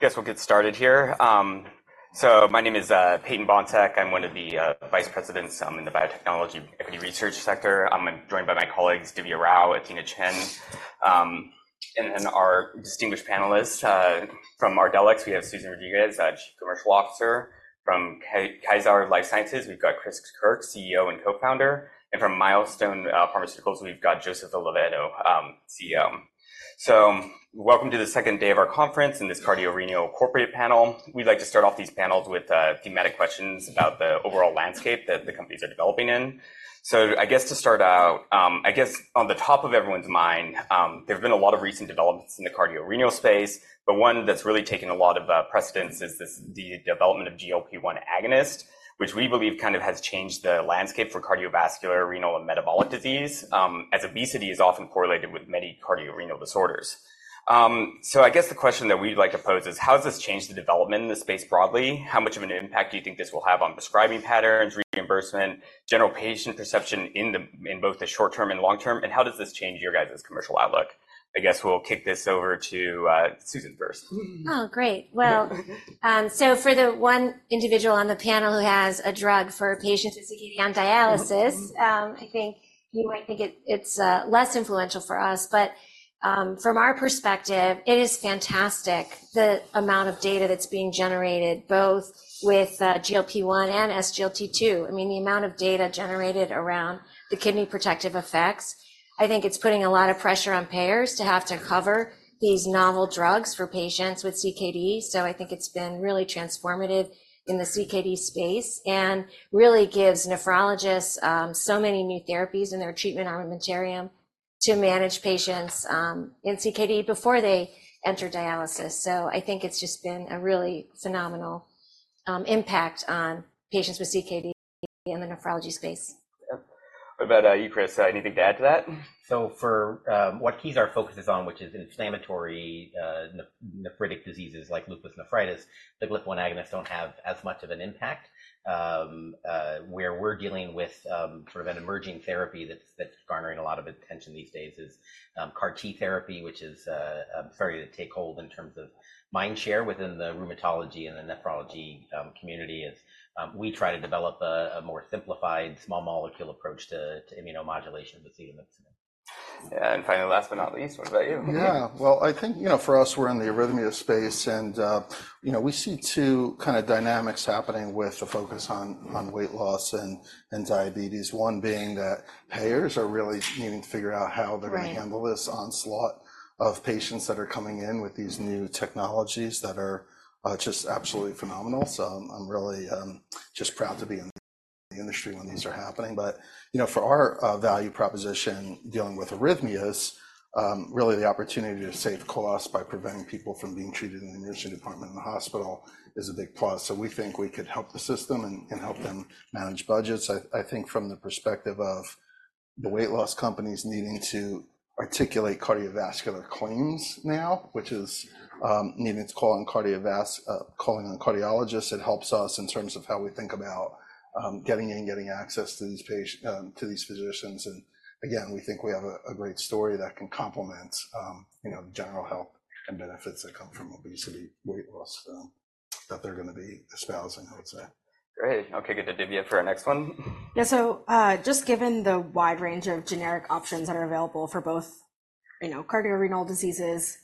All right. Guess we'll get started here. So my name is Peyton Bohnsack. I'm one of the vice presidents. I'm in the biotechnology equity research sector. I'm joined by my colleagues, Divya Rao, Athena Chin, and then our distinguished panelists, from Ardelyx, we have Susan Rodriguez, our Chief Commercial Officer. From Kezar Life Sciences, we've got Chris Kirk, CEO and co-founder, and from Milestone Pharmaceuticals, we've got Joseph Oliveto, CEO. Welcome to the second day of our conference in this Cardio-Renal Corporate panel. We'd like to start off these panels with thematic questions about the overall landscape that the companies are developing in So I guess to start out, I guess on the top of everyone's mind, there have been a lot of recent developments in the cardio-renal space, but one that's really taken a lot of precedence is this, the development of GLP-1 agonist, which we believe kind of has changed the landscape for cardiovascular, renal, and metabolic disease, as obesity is often correlated with many cardio-renal disorders. So I guess the question that we'd like to pose is: how has this changed the development in this space broadly? How much of an impact do you think this will have on prescribing patterns, reimbursement, general patient perception in the, in both the short term and long term, and how does this change your guys' commercial outlook? I guess we'll kick this over to, Susan first. Oh, great. Well, so for the one individual on the panel who has a drug for patients with CKD on dialysis, I think you might think it's, it's, less influential for us, but, from our perspective, it is fantastic the amount of data that's being generated, both with, GLP-1 and SGLT2. I mean, the amount of data generated around the kidney protective effects, I think it's putting a lot of pressure on payers to have to cover these novel drugs for patients with CKD. So I think it's been really transformative in the CKD space and really gives nephrologists, so many new therapies in their treatment armamentarium to manage patients, in CKD before they enter dialysis. So I think it's just been a really phenomenal, impact on patients with CKD in the nephrology space. Yep. What about, you, Chris? Anything to add to that? So for what keys are focus is on, which is inflammatory nephritic diseases like lupus nephritis, the GLP-1 agonists don't have as much of an impact. Where we're dealing with sort of an emerging therapy that's garnering a lot of attention these days is CAR T therapy, which is starting to take hold in terms of mind share within the rheumatology and the nephrology community as we try to develop a more simplified small molecule approach to immunomodulation with Finally, last but not least, what about you? Yeah. Well, I think, you know, for us, we're in the arrhythmia space, and, you know, we see two kind of dynamics happening with the focus on weight loss and diabetes. One being that payers are really needing to figure out how- Right. They're going to handle this onslaught of patients that are coming in with these new technologies that are just absolutely phenomenal. So I'm really just proud to be in the industry when these are happening. But, you know, for our value proposition, dealing with arrhythmias, really the opportunity to save costs by preventing people from being treated in the nursing department in the hospital is a big plus. So we think we could help the system and help them manage budgets. I think from the perspective of the weight loss companies needing to articulate cardiovascular claims now, which is needing to call on cardiovascular calling on cardiologists, it helps us in terms of how we think about getting in, getting access to these patients to these physicians. And again, we think we have a great story that can complement, you know, general health and benefits that come from obesity, weight loss, that they're gonna be espousing, I would say. Great. Okay, good to Divya, for our next one. Yeah, so, just given the wide range of generic options that are available for both, you know, cardio-renal diseases,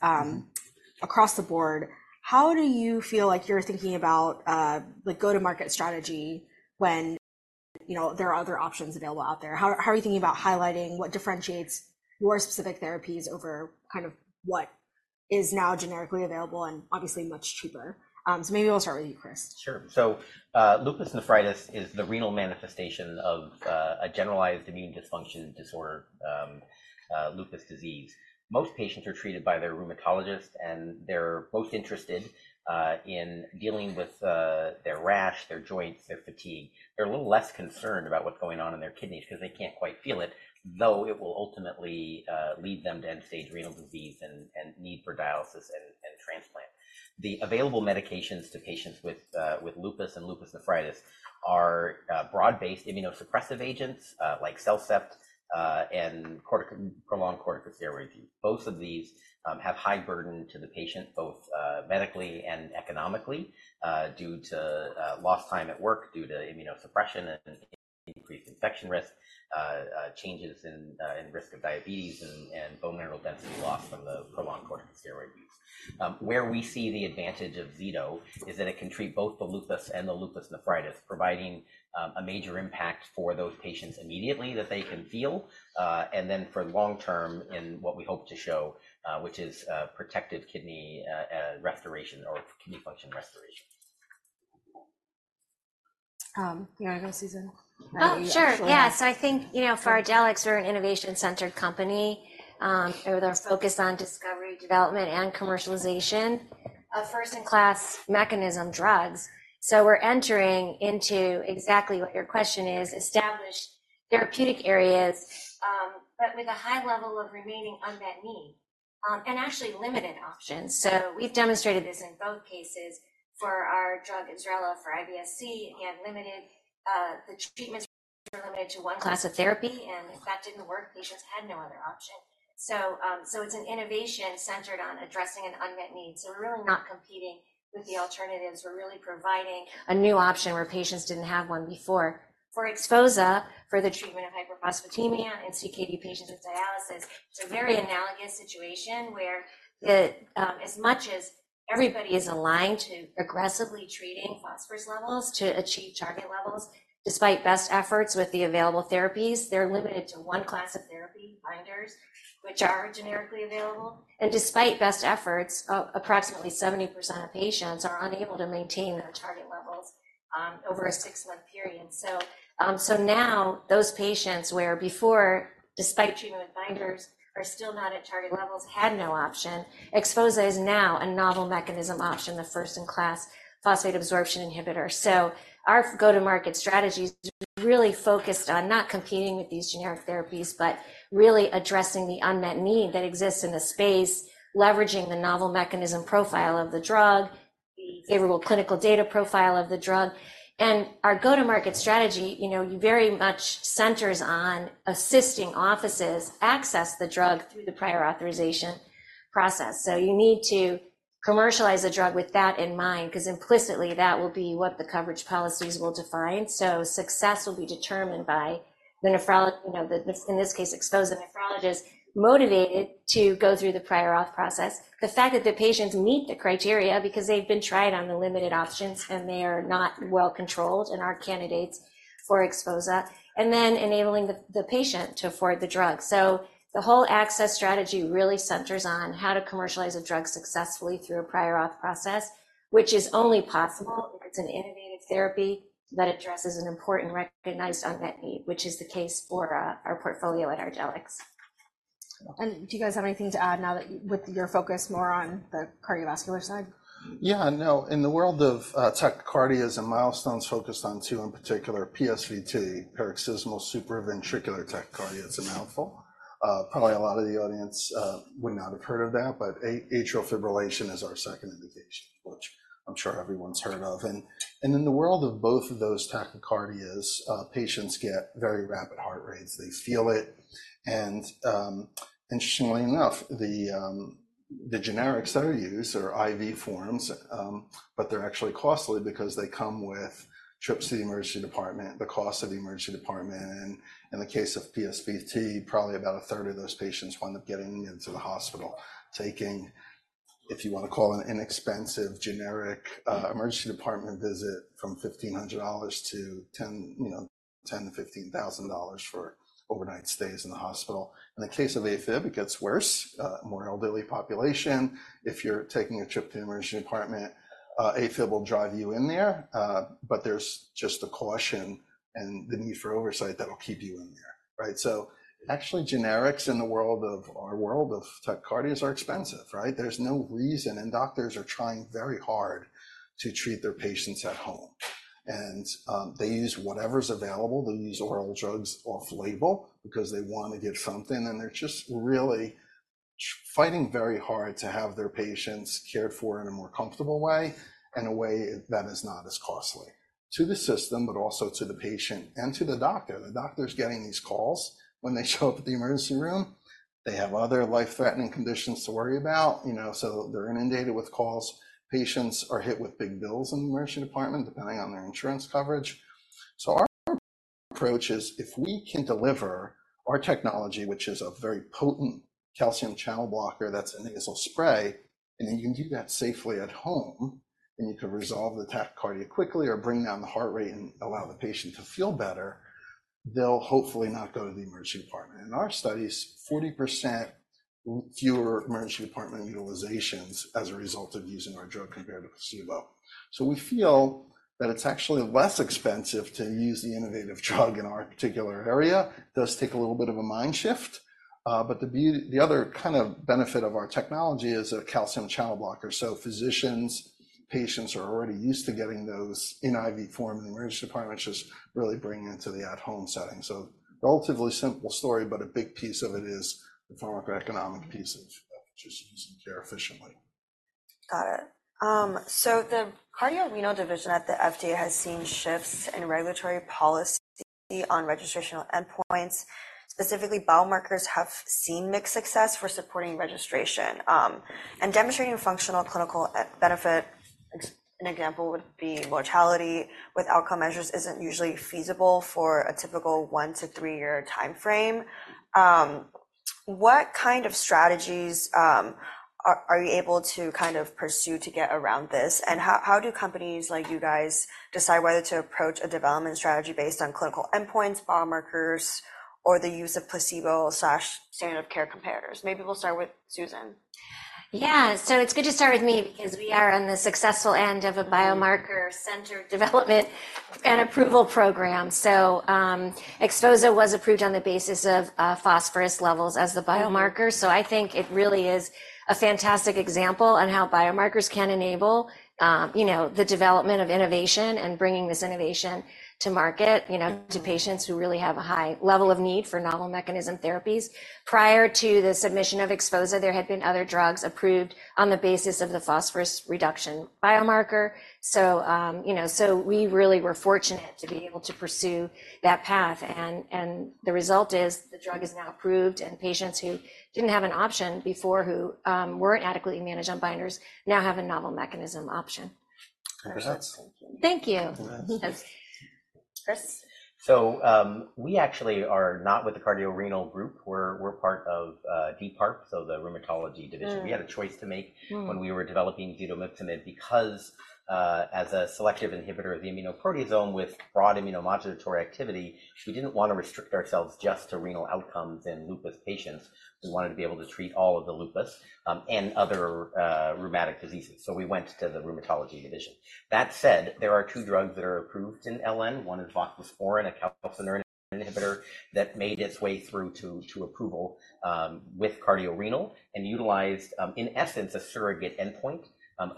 across the board, how do you feel like you're thinking about, like, go-to-market strategy when, you know, there are other options available out there? How, how are you thinking about highlighting what differentiates your specific therapies over kind of what is now generically available and obviously much cheaper? So maybe we'll start with you, Chris. Sure. So, lupus nephritis is the renal manifestation of a generalized immune dysfunction disorder, lupus disease. Most patients are treated by their rheumatologist, and they're both interested in dealing with their rash, their joints, their fatigue. They're a little less concerned about what's going on in their kidneys because they can't quite feel it, though it will ultimately lead them to end-stage renal disease and need for dialysis and transplant. The available medications to patients with lupus and lupus nephritis are broad-based immunosuppressive agents like CellCept and prolonged corticosteroid. Both of these have high burden to the patient, both, medically and economically, due to lost time at work due to immunosuppression and increased infection risk, changes in risk of diabetes and bone mineral density loss from the prolonged corticosteroid use. Where we see the advantage of zetomipzomib is that it can treat both the lupus and the lupus nephritis, providing a major impact for those patients immediately that they can feel, and then for long term, in what we hope to show, which is protected kidney restoration or kidney function restoration. You want to go, Susan? Oh, sure. Yeah. So I think, you know, for Ardelyx, we're an innovation-centered company, with our focus on discovery, development, and commercialization of first-in-class mechanism drugs. So we're entering into exactly what your question is, established therapeutic areas, but with a high level of remaining unmet need, and actually limited options. So we've demonstrated this in both cases.... for our drug, IBSRELA, for IBS-C, and limited, the treatments were limited to one class of therapy, and if that didn't work, patients had no other option. So, so it's an innovation centered on addressing an unmet need. So we're really not competing with the alternatives. We're really providing a new option where patients didn't have one before. For XPHOZAH, for the treatment of hyperphosphatemia in CKD patients with dialysis, it's a very analogous situation where the as much as everybody is aligned to aggressively treating phosphorus levels to achieve target levels, despite best efforts with the available therapies, they're limited to one class of therapy, binders, which are generically available. And despite best efforts, approximately 70% of patients are unable to maintain their target levels over a six-month period. So, so now those patients where before, despite treatment with binders, are still not at target levels, had no option. XPHOZAH is now a novel mechanism option, the first-in-class phosphate absorption inhibitor. So our go-to-market strategy is really focused on not competing with these generic therapies, but really addressing the unmet need that exists in the space, leveraging the novel mechanism profile of the drug, the favorable clinical data profile of the drug, and our go-to-market strategy, you know, very much centers on assisting offices access the drug through the prior authorization process. So you need to commercialize a drug with that in mind, 'cause implicitly, that will be what the coverage policies will define. So success will be determined by the nephrologist, you know, in this case, XPHOZAH nephrologist, motivated to go through the prior auth process. The fact that the patients meet the criteria because they've been tried on the limited options, and they are not well controlled and are candidates for XPHOZAH, and then enabling the patient to afford the drug. The whole access strategy really centers on how to commercialize a drug successfully through a prior auth process, which is only possible if it's an innovative therapy that addresses an important, recognized unmet need, which is the case for our portfolio at Ardelyx. Do you guys have anything to add now that, with your focus more on the cardiovascular side? Yeah, no. In the world of tachycardias and Milestone's focused on two, in particular, PSVT, paroxysmal supraventricular tachycardia. It's a mouthful. Probably a lot of the audience would not have heard of that, but atrial fibrillation is our second indication, which I'm sure everyone's heard of. And, and in the world of both of those tachycardias, patients get very rapid heart rates. They feel it, and interestingly enough, the generics that are used are IV forms, but they're actually costly because they come with trips to the emergency department, the cost of the emergency department, and in the case of PSVT, probably about a third of those patients wind up getting into the hospital, taking, if you want to call it, an inexpensive, generic emergency department visit from $1,500-$10,000 you know, $10,000-$15,000 for overnight stays in the hospital. In the case of AFib, it gets worse, more elderly population. If you're taking a trip to the emergency department, AFib will drive you in there, but there's just a caution and the need for oversight that will keep you in there, right? So actually, generics in the world of our world of tachycardias are expensive, right? There's no reason, and doctors are trying very hard to treat their patients at home, and, they use whatever's available. They'll use oral drugs off-label because they want to get something, and they're just really fighting very hard to have their patients cared for in a more comfortable way and a way that is not as costly to the system, but also to the patient and to the doctor. The doctor's getting these calls when they show up at the emergency room. They have other life-threatening conditions to worry about, you know, so they're inundated with calls. Patients are hit with big bills in the emergency department, depending on their insurance coverage. So our approach is, if we can deliver our technology, which is a very potent calcium channel blocker, that's a nasal spray, and you can do that safely at home, then you can resolve the tachycardia quickly or bring down the heart rate and allow the patient to feel better, they'll hopefully not go to the emergency department. In our studies, 40% fewer emergency department utilizations as a result of using our drug compared to placebo. So we feel that it's actually less expensive to use the innovative drug in our particular area. Does take a little bit of a mind shift, but the beauty-- the other kind of benefit of our technology is a calcium channel blocker. So physicians, patients are already used to getting those in IV form in the emergency department, just really bringing it to the at-home setting. Relatively simple story, but a big piece of it is the pharmacoeconomic piece of just using care efficiently. Got it. So the Cardio-Renal Division at the FDA has seen shifts in regulatory policy on registrational endpoints. Specifically, biomarkers have seen mixed success for supporting registration, and demonstrating functional clinical benefit. An example would be mortality with outcome measures isn't usually feasible for a typical one to three year timeframe. What kind of strategies are you able to kind of pursue to get around this? And how do companies like you guys decide whether to approach a development strategy based on clinical endpoints, biomarkers, or the use of placebo/standard of care comparators? Maybe we'll start with Susan. Yeah. So it's good to start with me because we are on the successful end of a biomarker-centered development and approval program. So, XPHOZAH was approved on the basis of, phosphorus levels as the biomarker. So I think it really is a fantastic example on how biomarkers can enable, you know, the development of innovation and bringing this innovation to market, you know, to patients who really have a high level of need for novel mechanism therapies. Prior to the submission of XPHOZAH, there had been other drugs approved on the basis of the phosphorus reduction biomarker. So, you know, so we really were fortunate to be able to pursue that path, and, and the result is the drug is now approved, and patients who didn't have an option before, who, weren't adequately managed on binders, now have a novel mechanism option.... Thank you. Chris? So, we actually are not with the cardiorenal group. We're part of DPARP, so the rheumatology division. Mm. We had a choice to make- Mm. When we were developing zetomipzomib, because as a selective inhibitor of the immunoproteasome with broad immunomodulatory activity, we didn't want to restrict ourselves just to renal outcomes in lupus patients. We wanted to be able to treat all of the lupus and other rheumatic diseases, so we went to the rheumatology division. That said, there are two drugs that are approved in LN. One is voclosporin, a calcineurin inhibitor, that made its way through to approval with cardiorenal, and utilized in essence a surrogate endpoint,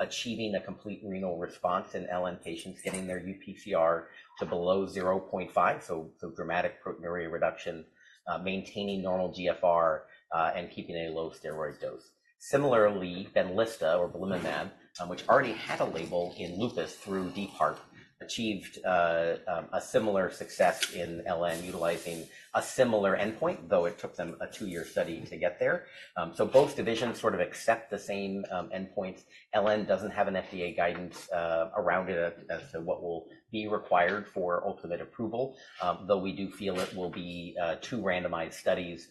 achieving a complete renal response in LN patients, getting their UPCR to below 0.5, so dramatic proteinuria reduction, maintaining normal GFR, and keeping a low steroid dose. Similarly, Benlysta or belimumab, which already had a label in lupus through DPARP, achieved a similar success in LN, utilizing a similar endpoint, though it took them a two-year study to get there. So both divisions sort of accept the same endpoints. LN doesn't have an FDA guidance around it as to what will be required for ultimate approval, though we do feel it will be two randomized studies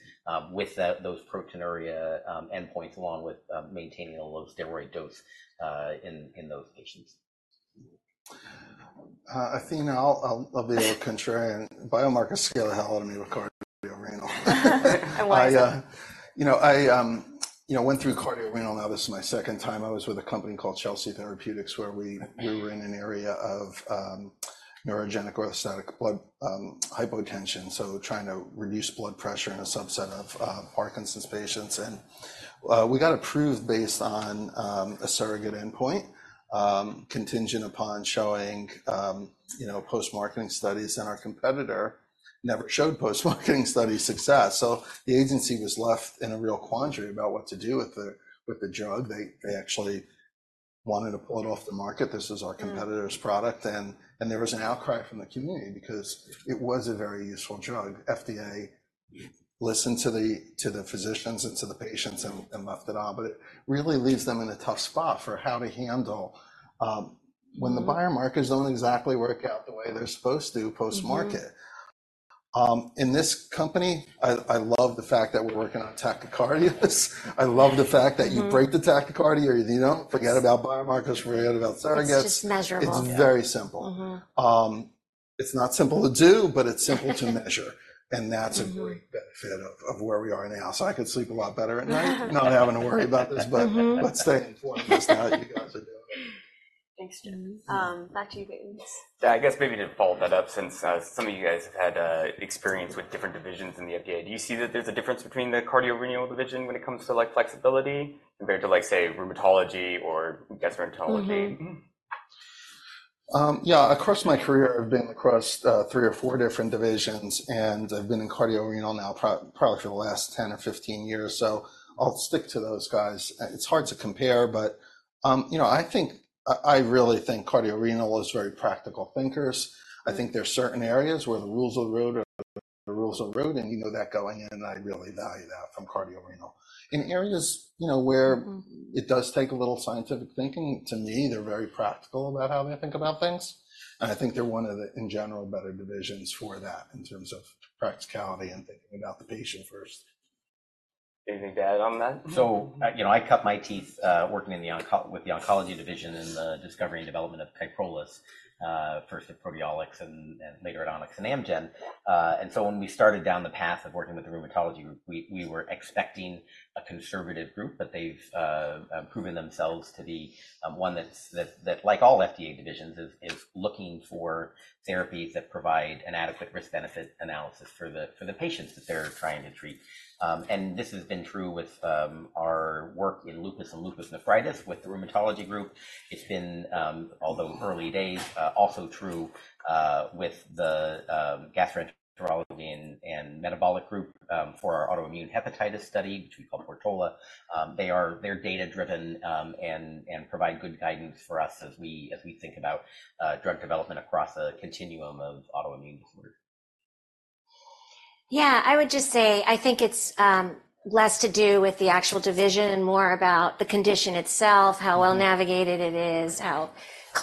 with those proteinuria endpoints, along with maintaining a low steroid dose in those patients. Athena, I'll be a little contrarian. Biomarkers scare the hell out of me with cardiorenal. I why? I, you know, I, you know, went through cardiorenal. Now, this is my second time. I was with a company called Chelsea Therapeutics, where we- Mm. We were in an area of neurogenic orthostatic hypotension, so trying to reduce blood pressure in a subset of Parkinson's patients. And we got approved based on a surrogate endpoint, contingent upon showing, you know, post-marketing studies, and our competitor never showed post-marketing study success. So the agency was left in a real quandary about what to do with the, with the drug. They, they actually wanted to pull it off the market. This was our- Mm... competitor's product, and there was an outcry from the community because it was a very useful drug. FDA listened to the physicians and to the patients and left it on. But it really leaves them in a tough spot for how to handle. Mm... when the biomarkers don't exactly work out the way they're supposed to post-market. Mm-hmm. In this company, I love the fact that we're working on tachycardias. I love the fact that- Mm... you break the tachycardia, you know? Forget about biomarkers. Forget about surrogates. It's just measurable. It's very simple. Mm-hmm. It's not simple to do, but it's simple to measure, and that's- Mm-hmm... a great benefit of, of where we are now. So I could sleep a lot better at night—not having to worry about this, but— Mm-hmm... let's stay informed just how you guys are doing. Thanks, Joe. Back to you, Peyton. Yeah, I guess maybe to follow that up, since some of you guys have had experience with different divisions in the FDA, do you see that there's a difference between the cardiorenal division when it comes to, like, flexibility compared to, like, say, rheumatology or gastroenterology? Mm-hmm. Mm-hmm. Yeah, across my career, I've been across three or four different divisions, and I've been in cardiorenal now probably for the last 10 or 15 years, so I'll stick to those guys. It's hard to compare, but you know, I really think cardiorenal is very practical thinkers. I think there are certain areas where the rules of the road are the rules of road, and you know that going in, and I really value that from cardiorenal. In areas, you know, where- Mm... it does take a little scientific thinking. To me, they're very practical about how they think about things, and I think they're one of the, in general, better divisions for that in terms of practicality and thinking about the patient first. Anything to add on that? So, you know, I cut my teeth working in the oncology division in the discovery and development of Kyprolis, first at Proteolix and later at Onyx and Amgen. And so when we started down the path of working with the rheumatology group, we were expecting a conservative group, but they've proven themselves to be one that's, like all FDA divisions, looking for therapies that provide an adequate risk-benefit analysis for the patients that they're trying to treat. And this has been true with our work in lupus and lupus nephritis with the rheumatology group. It's been, although early days, also true with the gastroenterology and metabolic group for our autoimmune hepatitis study, which we call PORTOLA. They're data driven, and provide good guidance for us as we think about drug development across a continuum of autoimmune disorders. Yeah, I would just say, I think it's less to do with the actual division and more about the condition itself- Mm... how well navigated it is,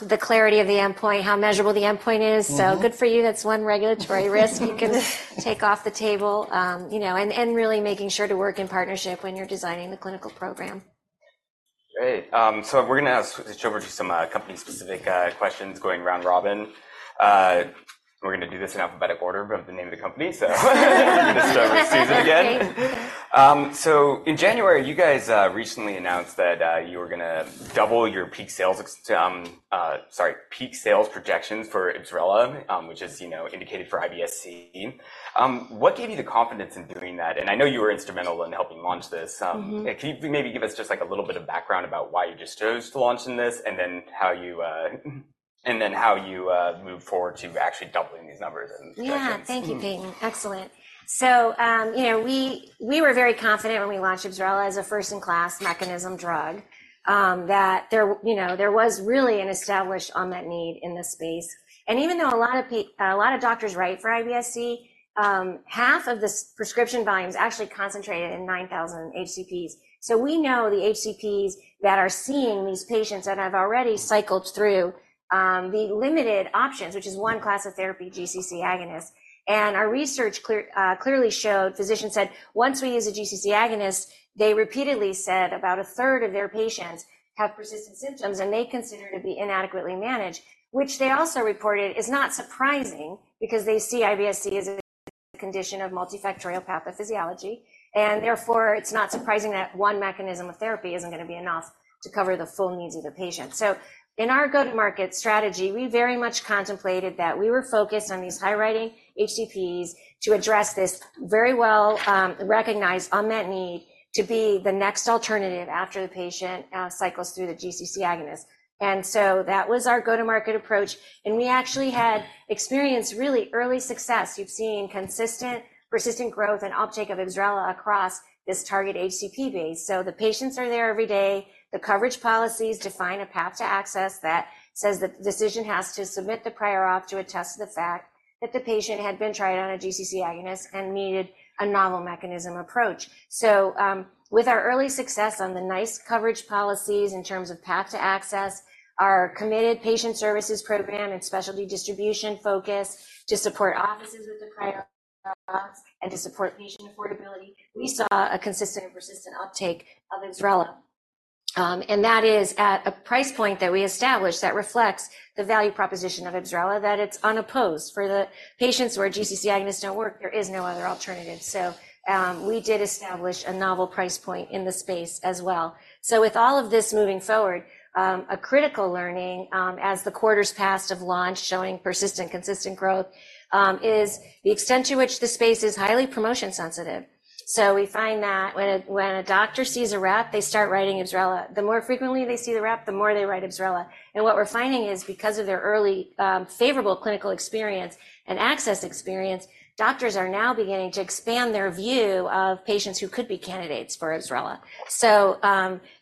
the clarity of the endpoint, how measurable the endpoint is. Mm-hmm. So good for you. That's one regulatory risk - you can take off the table. You know, and, and really making sure to work in partnership when you're designing the clinical program. Great. So we're gonna ask, switch over to some company-specific questions going round robin. We're gonna do this in alphabetical order of the name of the company, so let's start with Susan again. Great. So in January, you guys recently announced that you were gonna double your peak sales projections for IBSRELA, which is, you know, indicated for IBS-C. What gave you the confidence in doing that? And I know you were instrumental in helping launch this. Mm-hmm. Can you maybe give us just, like, a little bit of background about why you chose to launch in this, and then how you moved forward to actually doubling these numbers and- Yeah, thank you, Peyton. Excellent. So, you know, we were very confident when we launched IBSRELA as a first-in-class mechanism drug, that there, you know, there was really an established unmet need in this space. And even though a lot of doctors write for IBS-C, half of this prescription volume is actually concentrated in 9,000 HCPs. So we know the HCPs that are seeing these patients and have already cycled through the limited options, which is one class of therapy, GCC agonist. And our research clearly showed, physicians said, once we use a GCC agonist, they repeatedly said about a third of their patients have persistent symptoms and they consider to be inadequately managed, which they also reported is not surprising because they see IBS-C as a condition of multifactorial pathophysiology. Therefore, it's not surprising that one mechanism of therapy isn't going to be enough to cover the full needs of the patient. So in our go-to-market strategy, we very much contemplated that we were focused on these high-writing HCPs to address this very well recognized unmet need to be the next alternative after the patient cycles through the GCC agonist. And so that was our go-to-market approach, and we actually had experienced really early success. You've seen consistent, persistent growth and uptake of IBSRELA across this target HCP base. So the patients are there every day. The coverage policies define a path to access that says the decision has to submit the prior auth to attest to the fact that the patient had been tried on a GCC agonist and needed a novel mechanism approach. So, with our early success on the nice coverage policies in terms of path to access, our committed patient services program and specialty distribution focus to support offices with the prior, and to support patient affordability, we saw a consistent and persistent uptake of IBSRELA. And that is at a price point that we established that reflects the value proposition of IBSRELA, that it's unopposed. For the patients where GCC agonists don't work, there is no other alternative. So, we did establish a novel price point in the space as well. So with all of this moving forward, a critical learning, as the quarters passed of launch, showing persistent, consistent growth, is the extent to which the space is highly promotion sensitive. So we find that when a doctor sees a rep, they start writing IBSRELA. The more frequently they see the rep, the more they write IBSRELA. And what we're finding is because of their early, favorable clinical experience and access experience, doctors are now beginning to expand their view of patients who could be candidates for IBSRELA. So,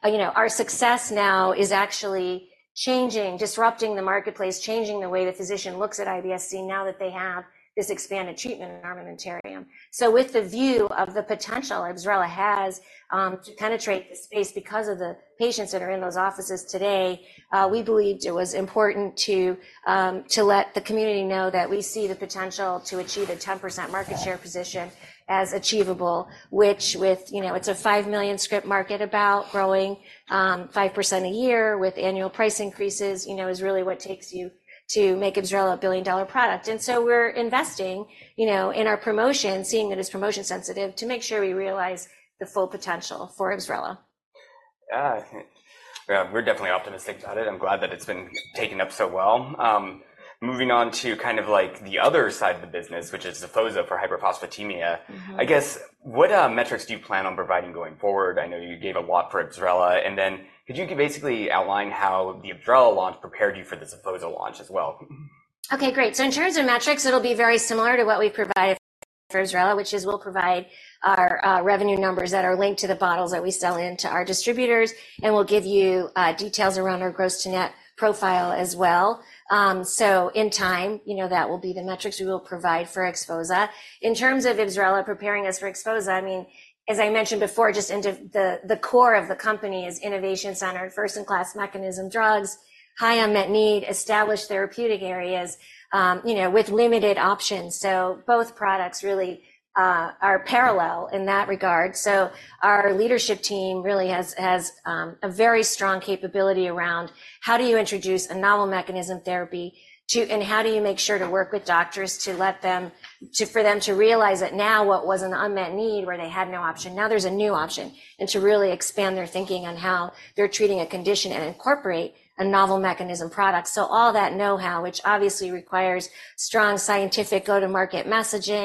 you know, our success now is actually changing, disrupting the marketplace, changing the way the physician looks at IBS-C now that they have this expanded treatment armamentarium. So with the view of the potential IBSRELA has to penetrate the space because of the patients that are in those offices today, we believed it was important to let the community know that we see the potential to achieve a 10% market share position as achievable, which with, you know, it's a 5 million script market about growing 5% a year with annual price increases, you know, is really what takes you to make IBSRELA a billion-dollar product. And so we're investing, you know, in our promotion, seeing that it's promotion sensitive, to make sure we realize the full potential for IBSRELA. Yeah. I think, yeah, we're definitely optimistic about it. I'm glad that it's been taken up so well. Moving on to kind of like the other side of the business, which is the XPHOZAH for hyperphosphatemia. Mm-hmm. I guess, what, metrics do you plan on providing going forward? I know you gave a lot for IBSRELA, and then could you basically outline how the IBSRELA launch prepared you for the XPHOZAH launch as well? Okay, great. So in terms of metrics, it'll be very similar to what we provided for IBSRELA, which is we'll provide our revenue numbers that are linked to the bottles that we sell into our distributors, and we'll give you details around our gross to net profile as well. So in time, you know, that will be the metrics we will provide for XPHOZAH. In terms of IBSRELA preparing us for XPHOZAH, I mean, as I mentioned before, just in the core of the company is innovation-centered, first-in-class mechanism drugs, high unmet need, established therapeutic areas, you know, with limited options. So both products really are parallel in that regard. So our leadership team really has a very strong capability around how do you introduce a novel mechanism therapy to... How do you make sure to work with doctors to let them for them to realize that now what was an unmet need, where they had no option, now there's a new option, and to really expand their thinking on how they're treating a condition and incorporate a novel mechanism product. So all that know-how, which obviously requires strong scientific go-to-market messaging,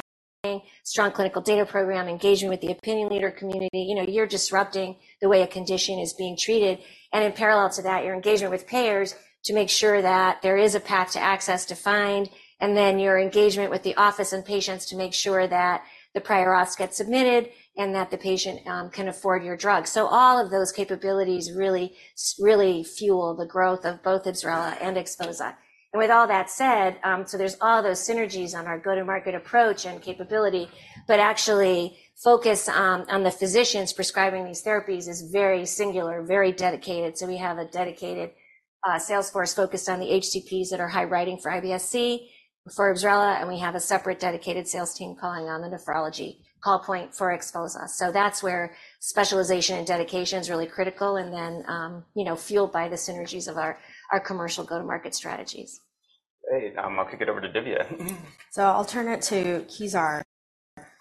strong clinical data program, engaging with the opinion leader community, you know, you're disrupting the way a condition is being treated. And in parallel to that, you're engaging with payers to make sure that there is a path to access defined, and then your engagement with the office and patients to make sure that the prior auth gets submitted and that the patient can afford your drug. So all of those capabilities really, really fuel the growth of both IBSRELA and XPHOZAH. With all that said, so there's all those synergies on our go-to-market approach and capability, but actually, focus on the physicians prescribing these therapies is very singular, very dedicated. So we have a dedicated sales force focused on the HCPs that are high prescribing for IBS-C, for IBSRELA, and we have a separate dedicated sales team calling on the nephrology call point for XPHOZAH. So that's where specialization and dedication is really critical, and then, you know, fueled by the synergies of our commercial go-to-market strategies. Great. I'll kick it over to Divya. Mm-hmm. So I'll turn it to Kezar.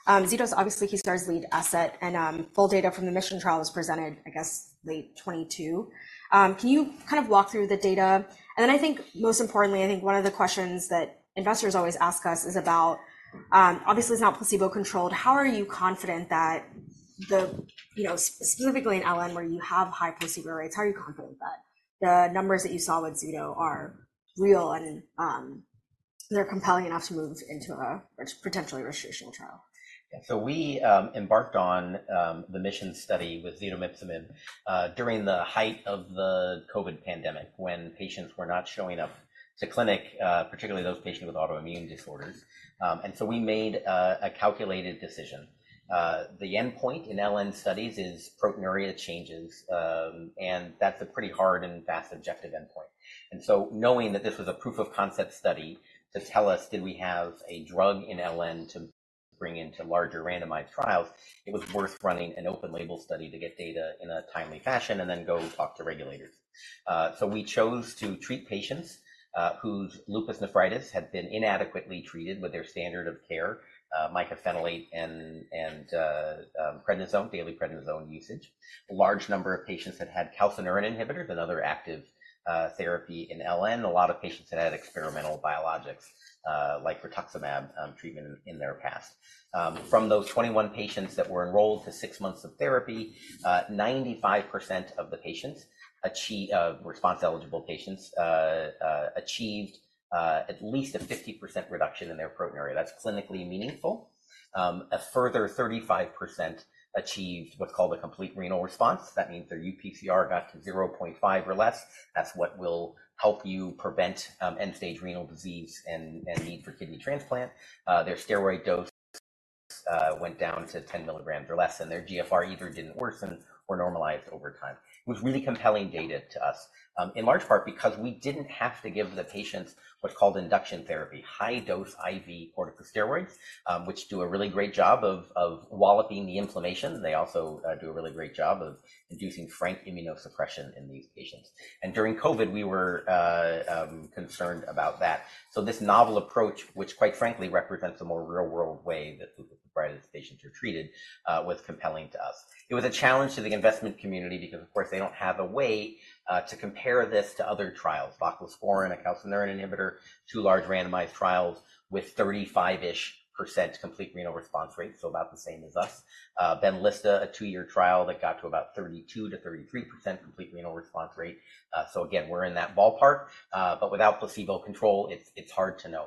Zetomipzomib, obviously, Kezar's lead asset, and full data from the MISSION trial was presented, I guess, late 2022. Can you kind of walk through the data? And then I think most importantly, I think one of the questions that investors always ask us is about, obviously, it's not placebo-controlled. How are you confident that-... you know, specifically in LN, where you have high placebo rates, how are you confident that the numbers that you saw with Zeto are real, and they're compelling enough to move into a potentially registration trial? Yeah. So we embarked on the MISSION study with zetomipzomib during the height of the COVID pandemic, when patients were not showing up to clinic, particularly those patients with autoimmune disorders. And so we made a calculated decision. The endpoint in LN studies is proteinuria changes, and that's a pretty hard and fast objective endpoint. And so knowing that this was a proof of concept study to tell us, did we have a drug in LN to bring into larger randomized trials, it was worth running an open label study to get data in a timely fashion and then go talk to regulators. So we chose to treat patients whose lupus nephritis had been inadequately treated with their standard of care, mycophenolate and prednisone, daily prednisone usage. A large number of patients had had calcineurin inhibitors and other active therapy in LN. A lot of patients had had experimental biologics like rituximab treatment in their past. From those 21 patients that were enrolled to six months of therapy, 95% of the response-eligible patients achieved at least a 50% reduction in their proteinuria. That's clinically meaningful. A further 35% achieved what's called a complete renal response. That means their UPCR got to 0.5 or less. That's what will help you prevent end-stage renal disease and need for kidney transplant. Their steroid dose went down to 10 mg or less, and their GFR either didn't worsen or normalized over time. It was really compelling data to us in large part because we didn't have to give the patients what's called induction therapy, high-dose IV corticosteroids, which do a really great job of walloping the inflammation. They also do a really great job of inducing frank immunosuppression in these patients. And during COVID, we were concerned about that. So this novel approach, which quite frankly represents a more real-world way that lupus nephritis patients are treated, was compelling to us. It was a challenge to the investment community because, of course, they don't have a way to compare this to other trials. Mycophenolate mofetil and a calcineurin inhibitor, two large randomized trials with 35-ish% complete renal response rate, so about the same as us. Benlysta, a two-year trial that got to about 32%-33% complete renal response rate. So again, we're in that ballpark, but without placebo control, it's hard to know.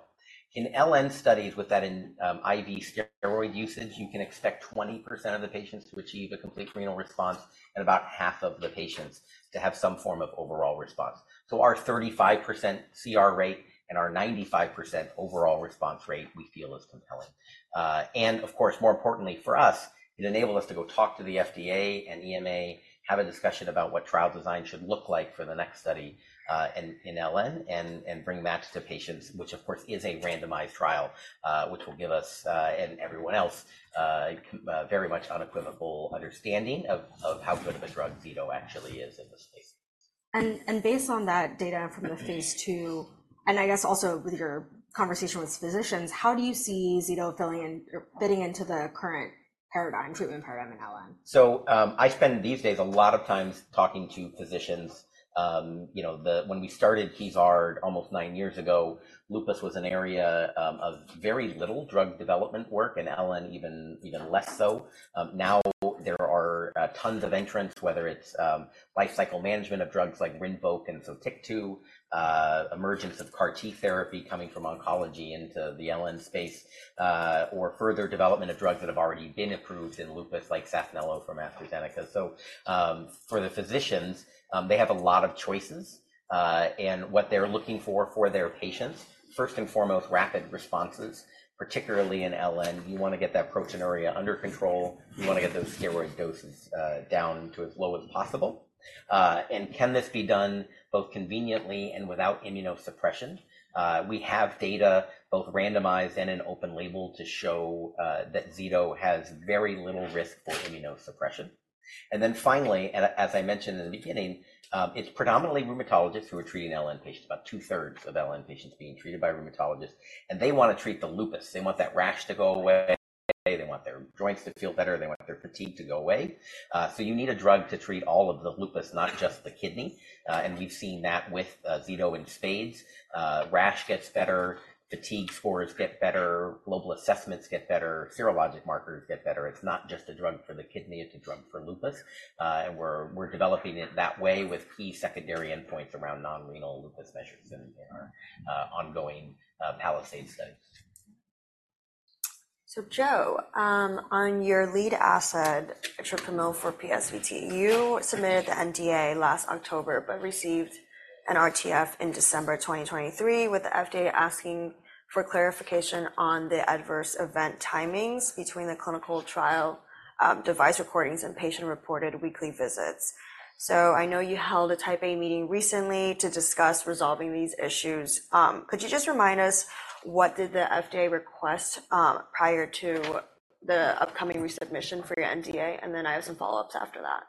In LN studies, with that in IV steroid usage, you can expect 20% of the patients to achieve a complete renal response and about half of the patients to have some form of overall response. So our 35% CR rate and our 95% overall response rate, we feel, is compelling. And of course, more importantly for us, it enabled us to go talk to the FDA and EMA, have a discussion about what trial design should look like for the next study in LN, and bring that to patients, which, of course, is a randomized trial, which will give us and everyone else very much unequivocal understanding of how good of a drug Zeto actually is in this space. Based on that data from the phase II, and I guess also with your conversation with physicians, how do you see Zeto filling in or fitting in or fitting into the current paradigm, treatment paradigm in LN? So, I spend these days a lot of time talking to physicians. You know, when we started Kezar almost nine years ago, lupus was an area of very little drug development work, and LN even less so. Now there are tons of entrants, whether it's lifecycle management of drugs like Rinvoq and Sotyktu, emergence of CAR-T therapy coming from oncology into the LN space, or further development of drugs that have already been approved in lupus, like Saphnelo from AstraZeneca. So, for the physicians, they have a lot of choices, and what they're looking for for their patients, first and foremost, rapid responses, particularly in LN. You want to get that proteinuria under control. You want to get those steroid doses down to as low as possible. Can this be done both conveniently and without immunosuppression? We have data, both randomized and in open label, to show that Zeto has very little risk for immunosuppression. And then finally, and as I mentioned in the beginning, it's predominantly rheumatologists who are treating LN patients, about two-thirds of LN patients being treated by rheumatologists, and they want to treat the lupus. They want that rash to go away. They want their joints to feel better. They want their fatigue to go away. So you need a drug to treat all of the lupus, not just the kidney, and we've seen that with Zeto in spades. Rash gets better, fatigue scores get better, global assessments get better, serologic markers get better. It's not just a drug for the kidney, it's a drug for lupus. and we're developing it that way with key secondary endpoints around non-renal lupus measures in our ongoing PALISADE studies. So, Joe, on your lead asset, etripamil for PSVT, you submitted the NDA last October but received an RTF in December 2023, with the FDA asking for clarification on the adverse event timings between the clinical trial, device recordings, and patient-reported weekly visits. So I know you held a Type A meeting recently to discuss resolving these issues. Could you just remind us, what did the FDA request prior to the upcoming resubmission for your NDA? And then I have some follow-ups after that.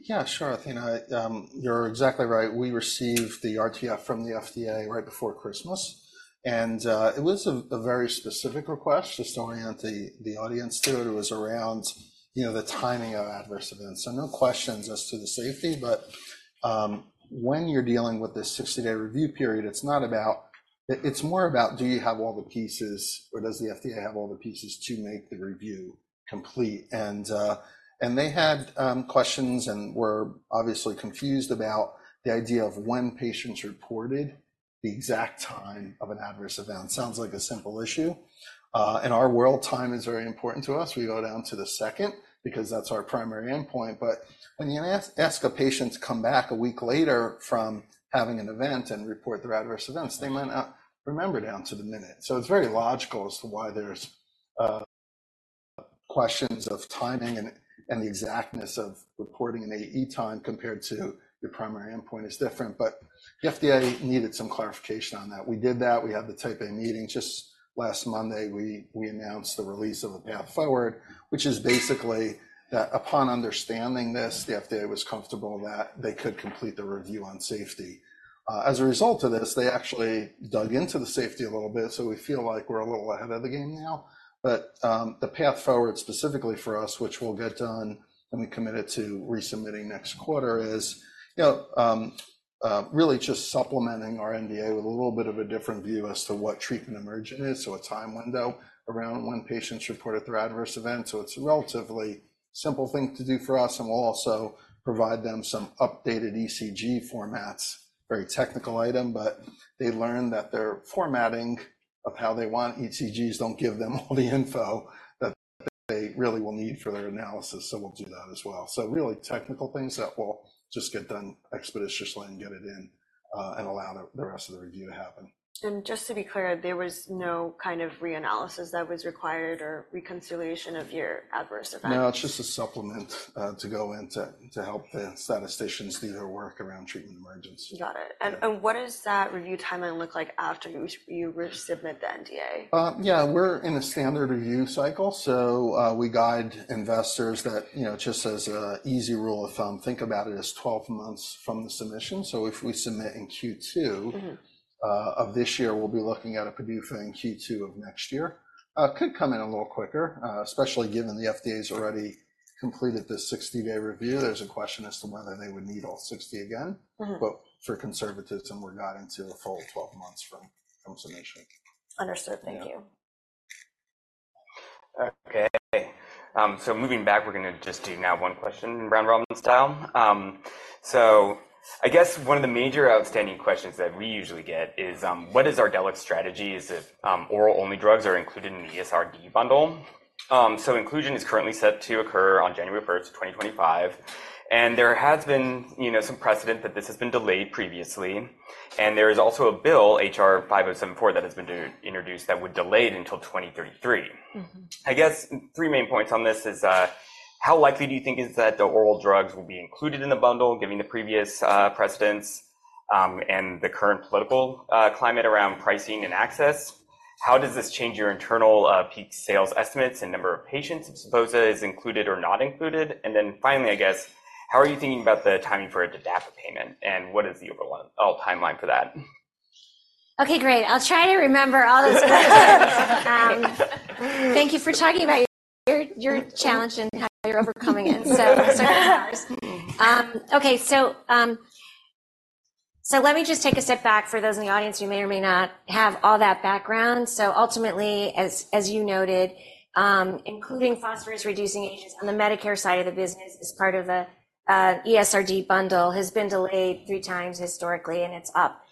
Yeah, sure, Athena. You're exactly right. We received the RTF from the FDA right before Christmas, and it was a very specific request, just to orient the audience to it. It was around, you know, the timing of adverse events. So no questions as to the safety, but when you're dealing with this 60-day review period, it's not about-... It's more about do you have all the pieces or does the FDA have all the pieces to make the review complete? And they had questions and were obviously confused about the idea of when patients reported the exact time of an adverse event. Sounds like a simple issue. In our world, time is very important to us. We go down to the second, because that's our primary endpoint. But when you ask a patient to come back a week later from having an event and report their adverse events, they might not remember down to the minute. So it's very logical as to why there's questions of timing and the exactness of reporting an AE time compared to your primary endpoint is different, but the FDA needed some clarification on that. We did that. We had the Type A meeting just last Monday. We announced the release of a path forward, which is basically that upon understanding this, the FDA was comfortable that they could complete the review on safety. As a result of this, they actually dug into the safety a little bit, so we feel like we're a little ahead of the game now. The path forward, specifically for us, which we'll get done and we committed to resubmitting next quarter, is, you know, really just supplementing our NDA with a little bit of a different view as to what treatment emergent is, so a time window around when patients report their adverse event. So it's a relatively simple thing to do for us, and we'll also provide them some updated ECG formats. Very technical item, but they learned that their formatting of how they want ECGs don't give them all the info that they really will need for their analysis. So we'll do that as well. So really technical things that will just get done expeditiously and get it in, and allow the rest of the review to happen. Just to be clear, there was no kind of reanalysis that was required or reconciliation of your adverse event? No, it's just a supplement to go into, to help the statisticians do their work around treatment emergence. Got it. Yeah. What does that review timeline look like after you resubmit the NDA? Yeah, we're in a standard review cycle, so, we guide investors that, you know, just as an easy rule of thumb, think about it as 12 months from the submission. So if we submit in Q2- Mm-hmm. Of this year, we'll be looking at a PDUFA in Q2 of next year. Could come in a little quicker, especially given the FDA's already completed this 60-day review. There's a question as to whether they would need all 60 again. Mm-hmm. But for conservatism, we're not into the full 12 months from submission. Understood. Thank you. Yeah. Okay. So moving back, we're gonna just do now one question in round robin style. So I guess one of the major outstanding questions that we usually get is, what is Ardelyx strategy? Is it, oral-only drugs are included in the ESRD bundle? So inclusion is currently set to occur on January 1st, 2025, and there has been, you know, some precedent that this has been delayed previously. And there is also a bill, H.R. 5074, that has been introduced that would delay it until 2033. Mm-hmm. I guess three main points on this is, how likely do you think is that the oral drugs will be included in the bundle, given the previous precedents, and the current political climate around pricing and access? How does this change your internal peak sales estimates and number of patients, suppose it is included or not included? And then finally, I guess, how are you thinking about the timing for a TDAPA payment, and what is the overall timeline for that? Okay, great. I'll try to remember all those questions. Thank you for talking about your, your challenge and how you're overcoming it. So let me just take a step back for those in the audience who may or may not have all that background. So ultimately, as you noted, including phosphorus-reducing agents on the Medicare side of the business as part of a ESRD bundle, has been delayed three times historically, and it's up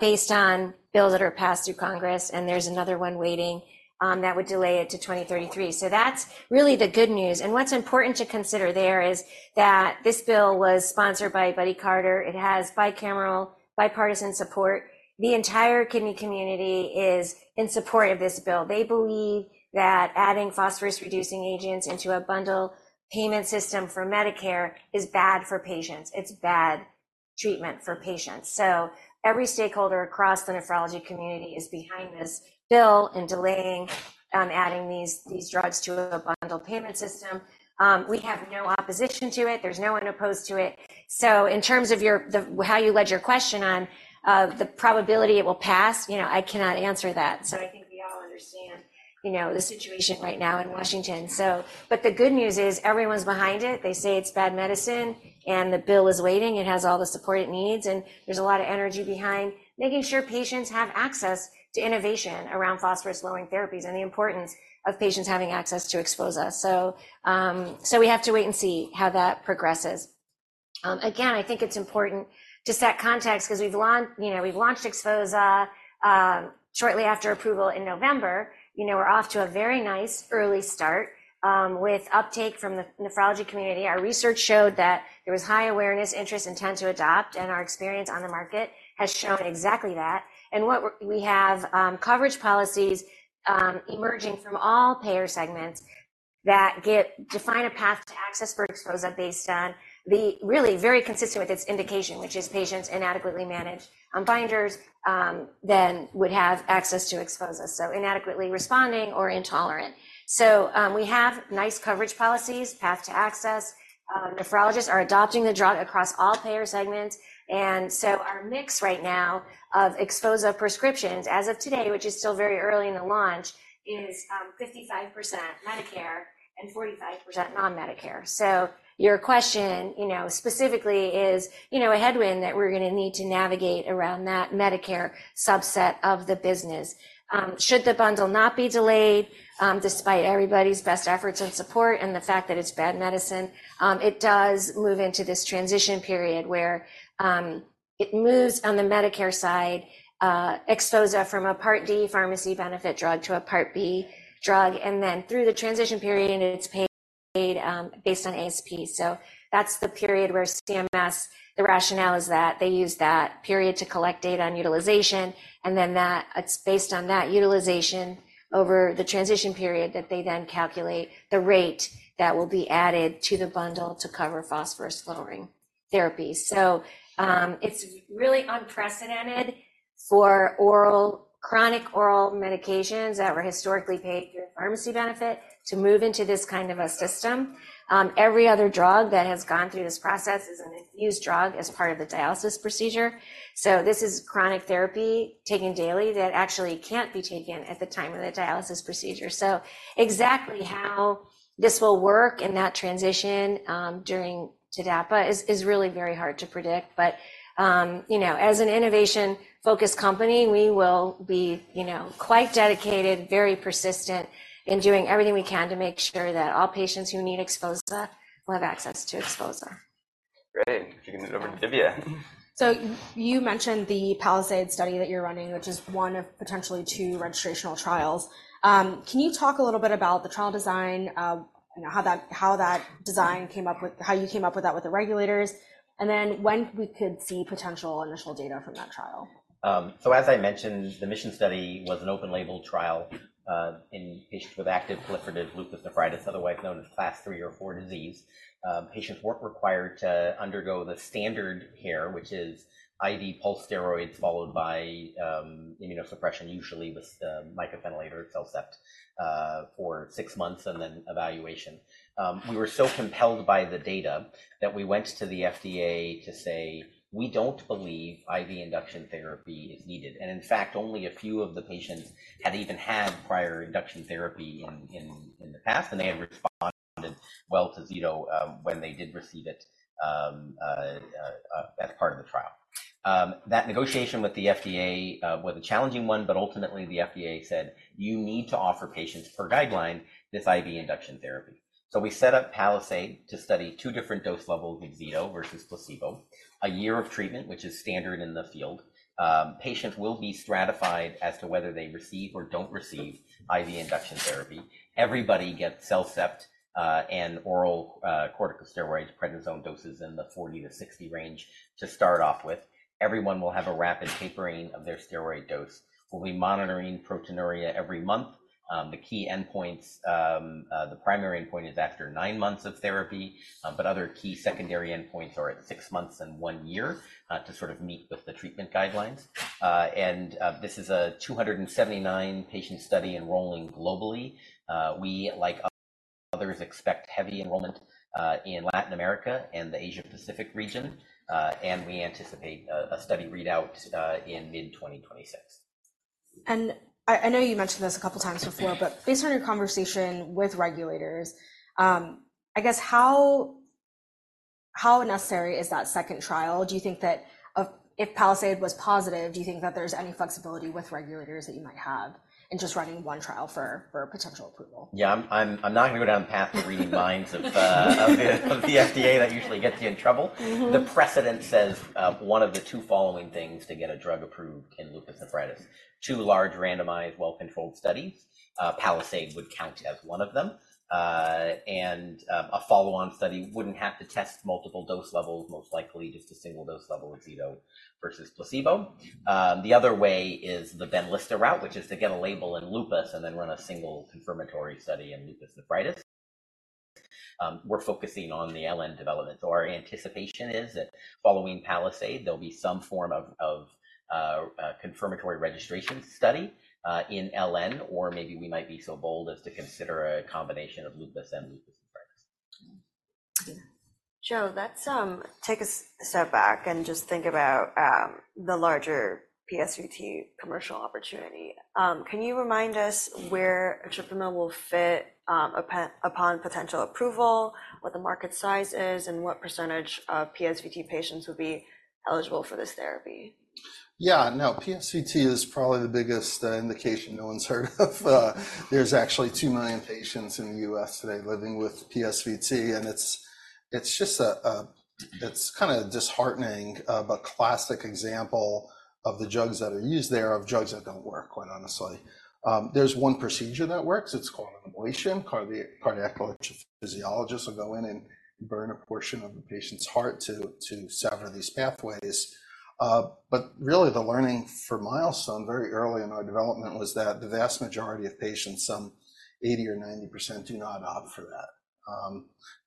based on bills that are passed through Congress, and there's another one waiting that would delay it to 2033. So that's really the good news. And what's important to consider there is that this bill was sponsored by Buddy Carter. It has bicameral, bipartisan support. The entire kidney community is in support of this bill. They believe that adding phosphorus-reducing agents into a bundle payment system for Medicare is bad for patients. It's bad treatment for patients. So every stakeholder across the nephrology community is behind this bill and delaying adding these, these drugs to a bundle payment system. We have no opposition to it. There's no one opposed to it. So in terms of your the, how you led your question on the probability it will pass, you know, I cannot answer that. So I think we all understand, you know, the situation right now in Washington. So, but the good news is, everyone's behind it. They say it's bad medicine, and the bill is waiting. It has all the support it needs, and there's a lot of energy behind making sure patients have access to innovation around phosphorus-lowering therapies and the importance of patients having access to XPHOZAH. So, so we have to wait and see how that progresses. Again, I think it's important to set context because we've launched—you know, we've launched XPHOZAH shortly after approval in November. You know, we're off to a very nice early start with uptake from the nephrology community. Our research showed that there was high awareness, interest, intent to adopt, and our experience on the market has shown exactly that. We have coverage policies emerging from all payer segments that define a path to access for XPHOZAH based on the really very consistent with its indication, which is patients inadequately managed on binders, then would have access to XPHOZAH, so inadequately responding or intolerant. So, we have nice coverage policies, path to access. Nephrologists are adopting the drug across all payer segments, and so our mix right now of XPHOZAH prescriptions, as of today, which is still very early in the launch, is 55% Medicare and 45% non-Medicare. So your question, you know, specifically is, you know, a headwind that we're gonna need to navigate around that Medicare subset of the business. Should the bundle not be delayed, despite everybody's best efforts and support and the fact that it's bad medicine, it does move into this transition period where it moves on the Medicare side, XPHOZAH from a Part D pharmacy benefit drug to a Part B drug, and then through the transition period, it's paid, based on ASP. So that's the period where CMS, the rationale is that they use that period to collect data on utilization, and then that it's based on that utilization over the transition period, that they then calculate the rate that will be added to the bundle to cover phosphorus lowering therapy. So, it's really unprecedented for oral, chronic oral medications that were historically paid through pharmacy benefit to move into this kind of a system. Every other drug that has gone through this process is an infused drug as part of the dialysis procedure. So this is chronic therapy, taken daily, that actually can't be taken at the time of the dialysis procedure. So exactly how this will work in that transition, during TDAPA is, is really very hard to predict. You know, as an innovation-focused company, we will be, you know, quite dedicated, very persistent in doing everything we can to make sure that all patients who need XPHOZAH will have access to XPHOZAH. Great! Kicking it over to Divya. You mentioned the PALISADE study that you're running, which is one of potentially two registrational trials. Can you talk a little bit about the trial design, you know, how that design came up with... How you came up with that with the regulators, and then when we could see potential initial data from that trial? So as I mentioned, the MISSION study was an open-label trial in patients with active proliferative lupus nephritis, otherwise known as Class III or IV disease. Patients weren't required to undergo the standard care, which is IV pulse steroids, followed by immunosuppression, usually with mycophenolate or CellCept, for six months and then evaluation. We were so compelled by the data, that we went to the FDA to say: We don't believe IV induction therapy is needed. And in fact, only a few of the patients had even had prior induction therapy in the past, and they had responded well to Zetomipzomib, when they did receive it, as part of the trial. That negotiation with the FDA was a challenging one, but ultimately, the FDA said, "You need to offer patients, per guideline, this IV induction therapy." So we set up PALISADE to study two different dose levels of Zetomipzomib versus placebo. One year of treatment, which is standard in the field. Patients will be stratified as to whether they receive or don't receive IV induction therapy. Everybody gets CellCept and oral corticosteroid prednisone doses in the 40-60 range to start off with. Everyone will have a rapid tapering of their steroid dose. We'll be monitoring proteinuria every month. The key endpoints, the primary endpoint is after nine months of therapy, but other key secondary endpoints are at six months and one year, to sort of meet with the treatment guidelines. This is a 279-patient study enrolling globally. We, like others, expect heavy enrollment in Latin America and the Asia-Pacific region. We anticipate a study readout in mid-2026. I know you mentioned this a couple of times before, but based on your conversation with regulators, I guess how necessary is that second trial? Do you think that if PALISADE was positive, do you think that there's any flexibility with regulators that you might have in just running one trial for a potential approval? Yeah, I'm not going to go down the path of reading lines of the FDA. That usually gets you in trouble. Mm-hmm. The precedent says, one of the two following things to get a drug approved in lupus nephritis: two large, randomized, well-controlled studies, PALISADE would count as one of them, and a follow-on study wouldn't have to test multiple dose levels, most likely just a single dose level of Zeto versus placebo. The other way is the Benlysta route, which is to get a label in lupus and then run a single confirmatory study in lupus nephritis. We're focusing on the LN development. So our anticipation is that following PALISADE, there'll be some form of confirmatory registration study in LN, or maybe we might be so bold as to consider a combination of lupus and lupus nephritis. Mm. Joe, let's take a step back and just think about the larger PSVT commercial opportunity. Can you remind us where etripamil will fit upon potential approval, what the market size is, and what percentage of PSVT patients would be eligible for this therapy? Yeah, no, PSVT is probably the biggest indication no one's heard of. There's actually two million patients in the U.S. today living with PSVT, and it's, it's just a... It's kinda disheartening, but classic example of the drugs that are used there, of drugs that don't work, quite honestly. There's one procedure that works. It's called an ablation. Cardiac physiologists will go in and burn a portion of the patient's heart to sever these pathways. But really, the learning for Milestone, very early in our development, was that the vast majority of patients, some 80% or 90%, do not opt for that.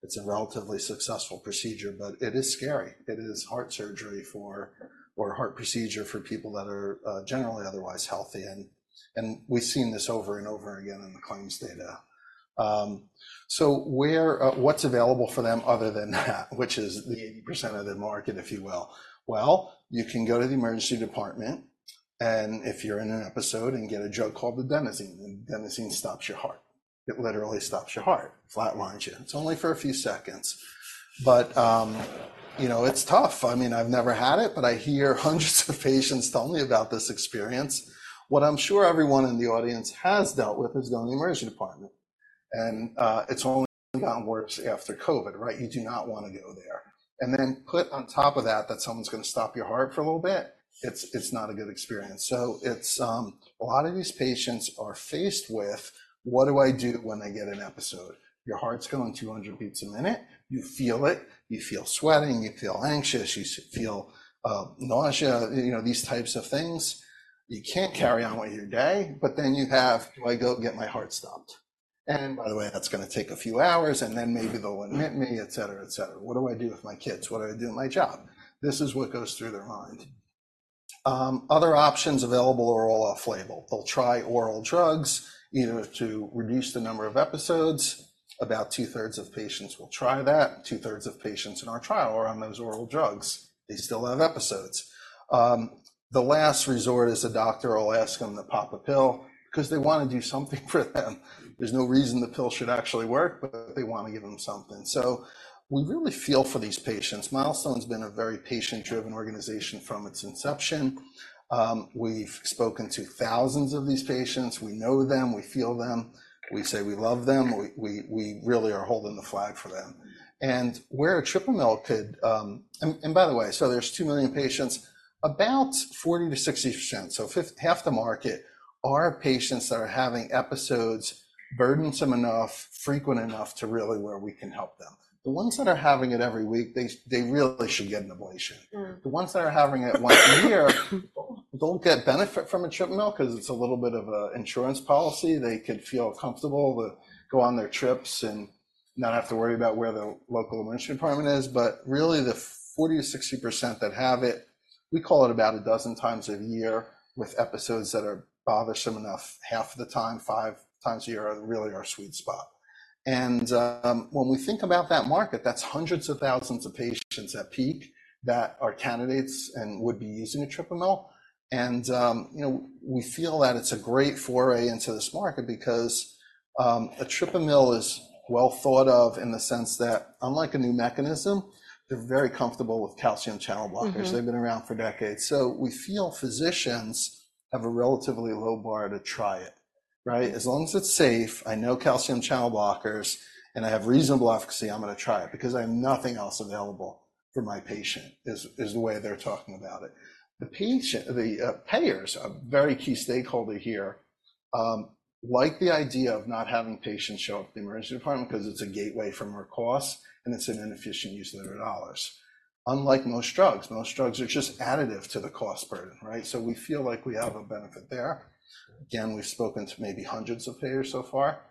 It's a relatively successful procedure, but it is scary. It is heart surgery for, or heart procedure for people that are generally otherwise healthy, and we've seen this over and over again in the claims data. So where, what's available for them other than that, which is the 80% of the market, if you will? Well, you can go to the emergency department, and if you're in an episode and get a drug called adenosine, then it stops your heart. It literally stops your heart. Flatlines you. It's only for a few seconds, but, you know, it's tough. I mean, I've never had it, but I hear hundreds of patients tell me about this experience. What I'm sure everyone in the audience has dealt with is going to the emergency department, and, it's only gotten worse after COVID, right? You do not want to go there. And then put on top of that, that someone's gonna stop your heart for a little bit. It's, it's not a good experience. So it's a lot of these patients are faced with, "What do I do when I get an episode?" Your heart's going 200 beats a minute, you feel it, you feel sweating, you feel anxious, you feel nausea, you know, these types of things. You can't carry on with your day, but then you have, "Do I go get my heart stopped? And by the way, that's gonna take a few hours, and then maybe they'll admit me," et cetera, et cetera. "What do I do with my kids? What do I do with my job?" This is what goes through their mind. Other options available are all off-label. They'll try oral drugs, you know, to reduce the number of episodes. About two-thirds of patients will try that. Two-thirds of patients in our trial are on those oral drugs. They still have episodes. The last resort is the doctor will ask them to pop a pill, 'cause they wanna do something for them. There's no reason the pill should actually work, but they wanna give them something. So we really feel for these patients. Milestone's been a very patient-driven organization from its inception. We've spoken to thousands of these patients. We know them. We feel them. We say we love them. We really are holding the flag for them. And where an etripamil could. And by the way, so there's two million patients. About 40%-60%, so half the market, are patients that are having episodes burdensome enough, frequent enough to really where we can help them. The ones that are having it every week, they really should get an ablation. Mm. The ones that are having it once a year don't get benefit from a CARDAMYST, 'cause it's a little bit of an insurance policy. They could feel comfortable to go on their trips and not have to worry about where the local emergency department is. But really, the 40%-60% that have it, we call it about a dozen times a year, with episodes that are bothersome enough. Half of the time, five times a year are really our sweet spot. And when we think about that market, that's hundreds of thousands of patients at peak that are candidates and would be using a CARDAMYST. And, you know, we feel that it's a great foray into this market because a CARDAMYST is well thought of in the sense that, unlike a new mechanism, they're very comfortable with calcium channel blockers. Mm-hmm. They've been around for decades. So we feel physicians have a relatively low bar to try it, right? "As long as it's safe, I know calcium channel blockers, and I have reasonable efficacy, I'm gonna try it because I have nothing else available for my patient," is the way they're talking about it. The payers, a very key stakeholder here, like the idea of not having patients show up at the emergency department 'cause it's a gateway for more costs, and it's an inefficient use of their dollars. Unlike most drugs, most drugs are just additive to the cost burden, right? So we feel like we have a benefit there. Again, we've spoken to maybe hundreds of payers so far.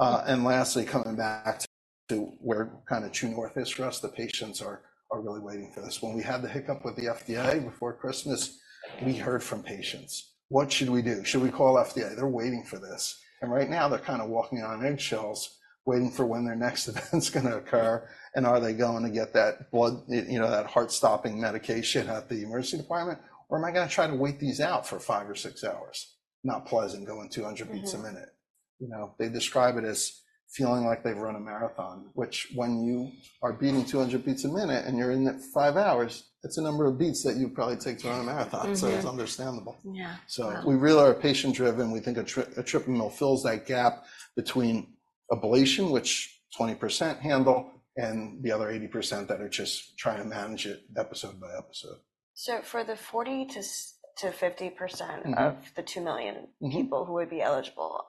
And lastly, coming back to where kind of true north is for us, the patients are really waiting for this. When we had the hiccup with the FDA before Christmas, we heard from patients. "What should we do? Should we call FDA?" They're waiting for this, and right now they're kind of walking on eggshells, waiting for when their next event's gonna occur, and are they going to get that blood... you know, that heart-stopping medication at the emergency department, or am I gonna try to wait these out for five or six hours? Not pleasant, going 200 beats a minute. Mm-hmm. You know, they describe it as feeling like they've run a marathon, which when you are beating 200 beats a minute and you're in it five hours, it's the number of beats that you'd probably take to run a marathon. Mm-hmm. It's understandable. Yeah. Wow. We really are patient-driven. We think etripamil fills that gap between ablation, which 20% handle, and the other 80% that are just trying to manage it episode by episode. So for the 40%-50% Mm-hmm... of the two million people- Mm-hmm... who would be eligible,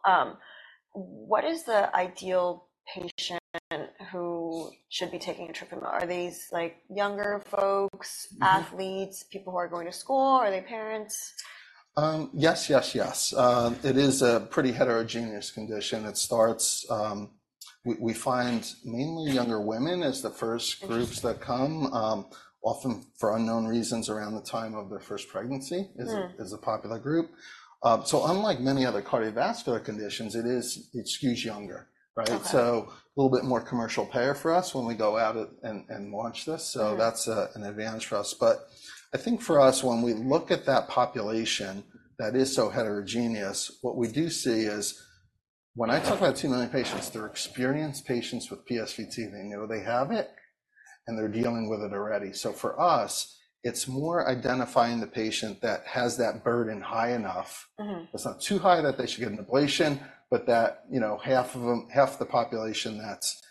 what is the ideal patient who should be taking etripamil? Are these, like, younger folks- Mm-hmm... athletes, people who are going to school? Are they parents? Yes, yes, yes. It is a pretty heterogeneous condition. It starts... We find mainly younger women as the first groups- Interesting... that come, often for unknown reasons, around the time of their first pregnancy- Mm... is a, is a popular group. So unlike many other cardiovascular conditions, it is, it skews younger, right? Okay. So, a little bit more commercial payer for us when we go out and launch this. Yeah. So that's an advantage for us. But I think for us, when we look at that population that is so heterogeneous, what we do see is, when I talk about two million patients, they're experienced patients with PSVT. They know they have it, and they're dealing with it already. So for us, it's more identifying the patient that has that burden high enough- Mm-hmm... that's not too high that they should get an ablation, but that, you know, half of them - half the population that's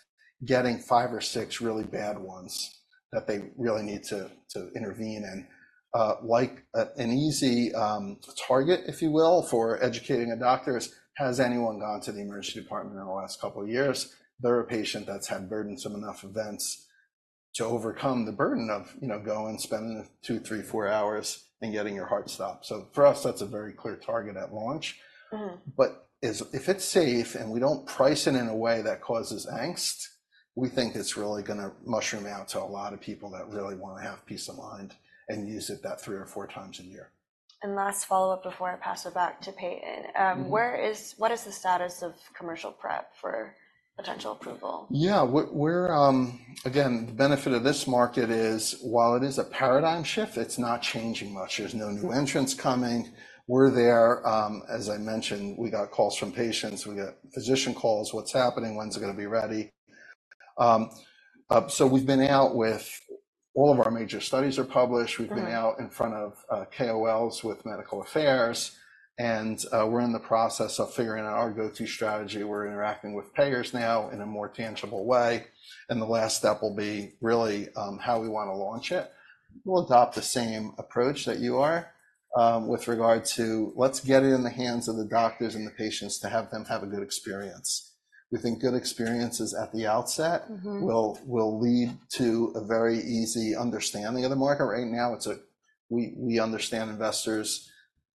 getting five or six really bad ones, that they really need to, to intervene. And, like, an easy target, if you will, for educating a doctor is: Has anyone gone to the emergency department in the last couple of years? They're a patient that's had burdensome enough events to overcome the burden of, you know, going, spending two, three, four hours, and getting your heart stopped. So for us, that's a very clear target at launch. Mm-hmm. But if it's safe, and we don't price it in a way that causes angst, we think it's really gonna mushroom out to a lot of people that really wanna have peace of mind and use it three or four times a year. Last follow-up before I pass it back to Peyton. Mm-hmm. What is the status of commercial prep for potential approval? Yeah. We're. Again, the benefit of this market is, while it is a paradigm shift, it's not changing much. There's no new entrants coming. We're there. As I mentioned, we got calls from patients. We got physician calls: "What's happening? When's it gonna be ready?" So we've been out with all of our major studies are published. Right. We've been out in front of KOLs with medical affairs, and we're in the process of figuring out our go-to strategy. We're interacting with payers now in a more tangible way, and the last step will be really how we wanna launch it. We'll adopt the same approach that you are with regard to let's get it in the hands of the doctors and the patients to have them have a good experience. We think good experiences at the outset- Mm-hmm. will lead to a very easy understanding of the market. Right now, it's, we understand investors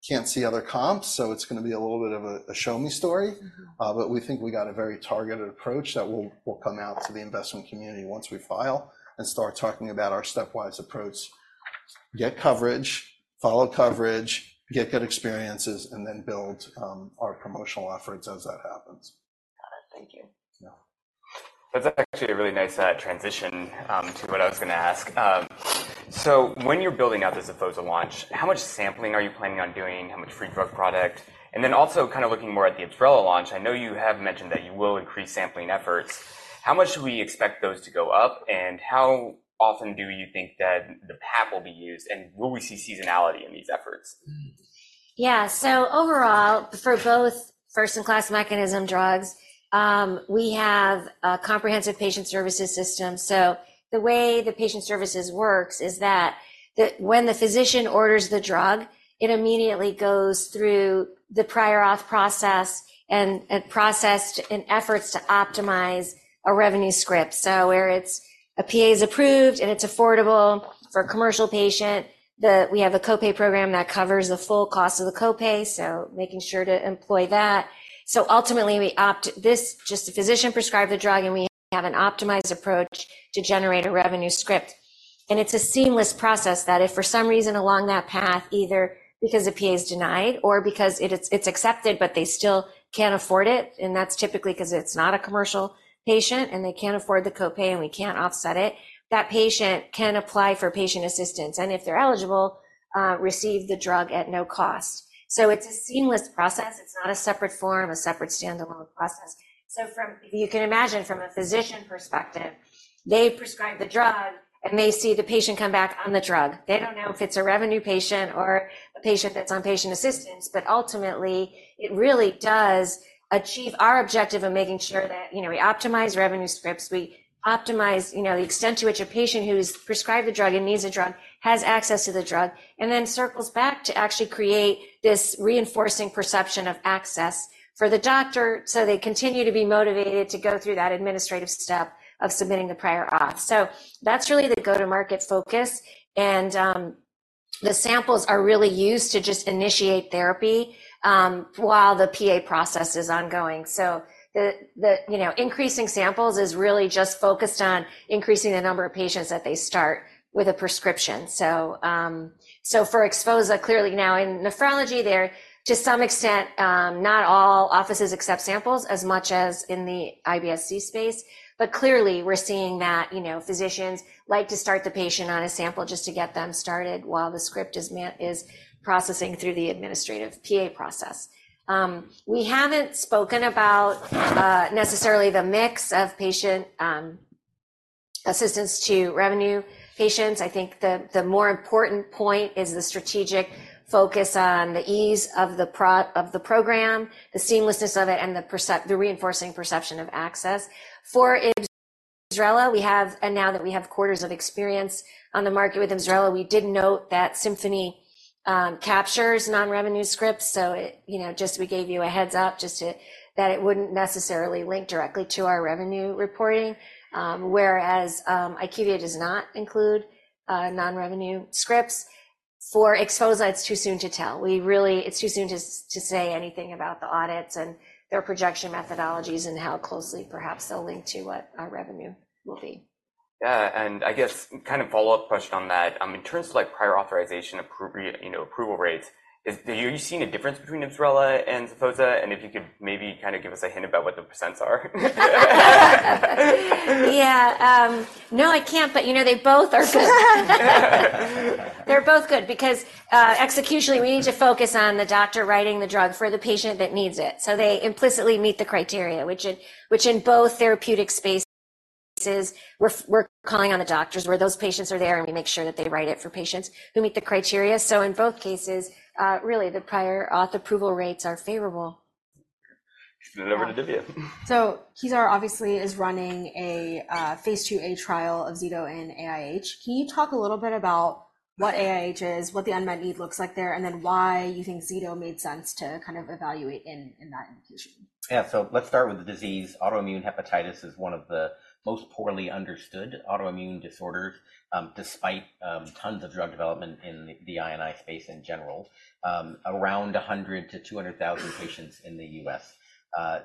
can't see other comps, so it's gonna be a little bit of a show-me story. Mm-hmm. But we think we got a very targeted approach that will, will come out to the investment community once we file and start talking about our stepwise approach: get coverage, follow coverage, get good experiences, and then build our promotional efforts as that happens. Got it. Thank you. Yeah. That's actually a really nice transition to what I was gonna ask. So when you're building out the XPHOZAH launch, how much sampling are you planning on doing? How much free drug product? And then also kind of looking more at the IBSRELA launch, I know you have mentioned that you will increase sampling efforts. How much do we expect those to go up, and how often do you think that the PAP will be used, and will we see seasonality in these efforts? Yeah. So overall, for both first-in-class mechanism drugs, we have a comprehensive patient services system. So the way the patient services works is that when the physician orders the drug, it immediately goes through the prior auth process, and it's processed in efforts to optimize a revenue script. So where it's a PA is approved, and it's affordable for a commercial patient, we have a co-pay program that covers the full cost of the co-pay, so making sure to employ that. So ultimately, just a physician prescribes the drug, and we have an optimized approach to generate a revenue script. It's a seamless process that if for some reason along that path, either because a PA is denied or because it's accepted, but they still can't afford it, and that's typically 'cause it's not a commercial patient, and they can't afford the copay, and we can't offset it, that patient can apply for patient assistance, and if they're eligible, receive the drug at no cost. So it's a seamless process. It's not a separate form, a separate standalone process. So you can imagine from a physician perspective, they prescribe the drug, and they see the patient come back on the drug. They don't know if it's a revenue patient or a patient that's on patient assistance, but ultimately, it really does achieve our objective of making sure that, you know, we optimize revenue scripts, we optimize, you know, the extent to which a patient who's prescribed a drug and needs a drug has access to the drug, and then circles back to actually create this reinforcing perception of access for the doctor, so they continue to be motivated to go through that administrative step of submitting the prior auth. So that's really the go-to-market focus, and the samples are really used to just initiate therapy while the PA process is ongoing. So you know, increasing samples is really just focused on increasing the number of patients that they start with a prescription. So, so for XPHOZAH, clearly now in nephrology, they're... To some extent, not all offices accept samples as much as in the IBS-C space, but clearly, we're seeing that, you know, physicians like to start the patient on a sample just to get them started while the script is processing through the administrative PA process. We haven't spoken about necessarily the mix of patient assistance to revenue patients. I think the more important point is the strategic focus on the ease of the program, the seamlessness of it, and the reinforcing perception of access. For IBSRELA, we have—and now that we have quarters of experience on the market with IBSRELA, we did note that Symphony captures non-revenue scripts. So, you know, we gave you a heads up just to that it wouldn't necessarily link directly to our revenue reporting, whereas IQVIA does not include non-revenue scripts. For XPHOZAH, it's too soon to tell. We really, it's too soon to say anything about the audits and their projection methodologies and how closely perhaps they'll link to what our revenue will be. Yeah, and I guess kind of follow-up question on that, in terms of like prior authorization, approval rates, are you seeing a difference between IBSRELA and XPHOZAH? And if you could maybe kind of give us a hint about what the percents are. Yeah, no, I can't, but, you know, they both are good. They're both good because executionally, we need to focus on the doctor writing the drug for the patient that needs it. So they implicitly meet the criteria, which in both therapeutic spaces, we're calling on the doctors where those patients are there, and we make sure that they write it for patients who meet the criteria. So in both cases, really the prior auth approval rates are favorable. Over to Divya. Kezar obviously is running a phase II-A trial of Zydos in AIH. Can you talk a little bit about what AIH is, what the unmet need looks like there, and then why you think Zydus made sense to kind of evaluate in that indication? Yeah. So let's start with the disease. Autoimmune hepatitis is one of the most poorly understood autoimmune disorders, despite tons of drug development in the AI space in general. Around 100,000-200,000 patients in the U.S.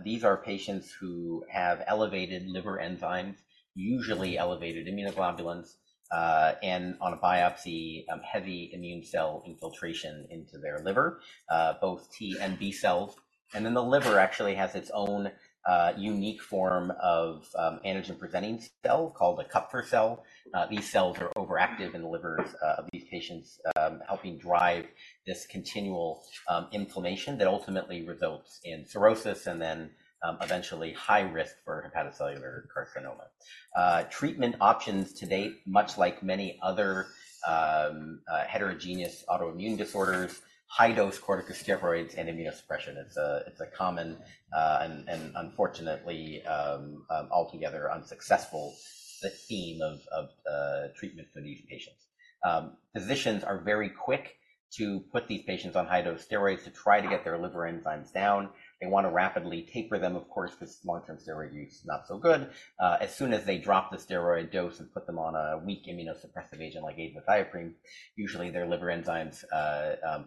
These are patients who have elevated liver enzymes, usually elevated immunoglobulins, and on a biopsy, heavy immune cell infiltration into their liver, both T and B cells. And then the liver actually has its own unique form of antigen-presenting cell called a Kupffer cell. These cells are overactive in the livers of these patients, helping drive this continual inflammation that ultimately results in cirrhosis and then eventually high risk for hepatocellular carcinoma. Treatment options to date, much like many other heterogeneous autoimmune disorders, high-dose corticosteroids and immunosuppression. It's a common and unfortunately altogether unsuccessful theme of the treatment for these patients. Physicians are very quick to put these patients on high-dose steroids to try to get their liver enzymes down. They want to rapidly taper them, of course, because long-term steroid use is not so good. As soon as they drop the steroid dose and put them on a weak immunosuppressive agent like azathioprine, usually their liver enzymes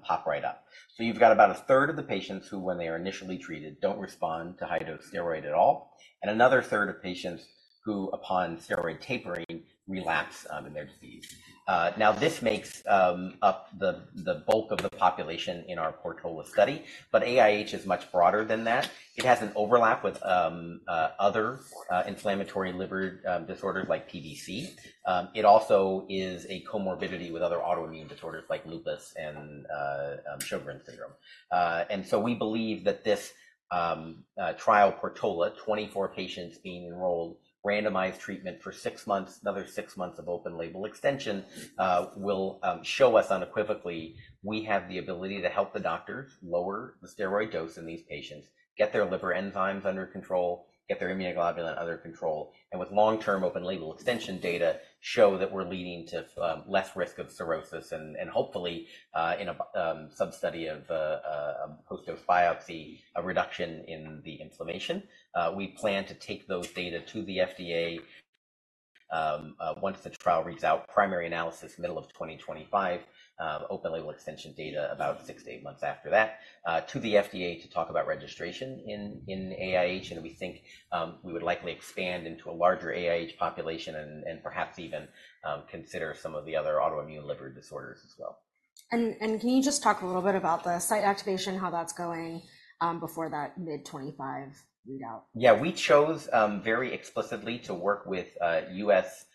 pop right up. So you've got about a third of the patients who, when they are initially treated, don't respond to high-dose steroid at all, and another third of patients who, upon steroid tapering, relapse in their disease. Now, this makes up the bulk of the population in our Portola study, but AIH is much broader than that. It has an overlap with other inflammatory liver disorders like PBC. It also is a comorbidity with other autoimmune disorders like lupus and Sjögren's syndrome. And so we believe that this trial, Portola, 24 patients being enrolled, randomized treatment for six months, another six months of open-label extension, will show us unequivocally we have the ability to help the doctors lower the steroid dose in these patients, get their liver enzymes under control, get their immunoglobulin under control, and with long-term open-label extension data, show that we're leading to less risk of cirrhosis and hopefully in a substudy of post-biopsy, a reduction in the inflammation. We plan to take those data to the FDA once the trial reads out. Primary analysis, middle of 2025, open-label extension data about six to eight months after that, to the FDA to talk about registration in AIH, and we think we would likely expand into a larger AIH population and perhaps even consider some of the other autoimmune liver disorders as well. Can you just talk a little bit about the site activation, how that's going, before that mid-2025 readout? Yeah, we chose very explicitly to work with U.S.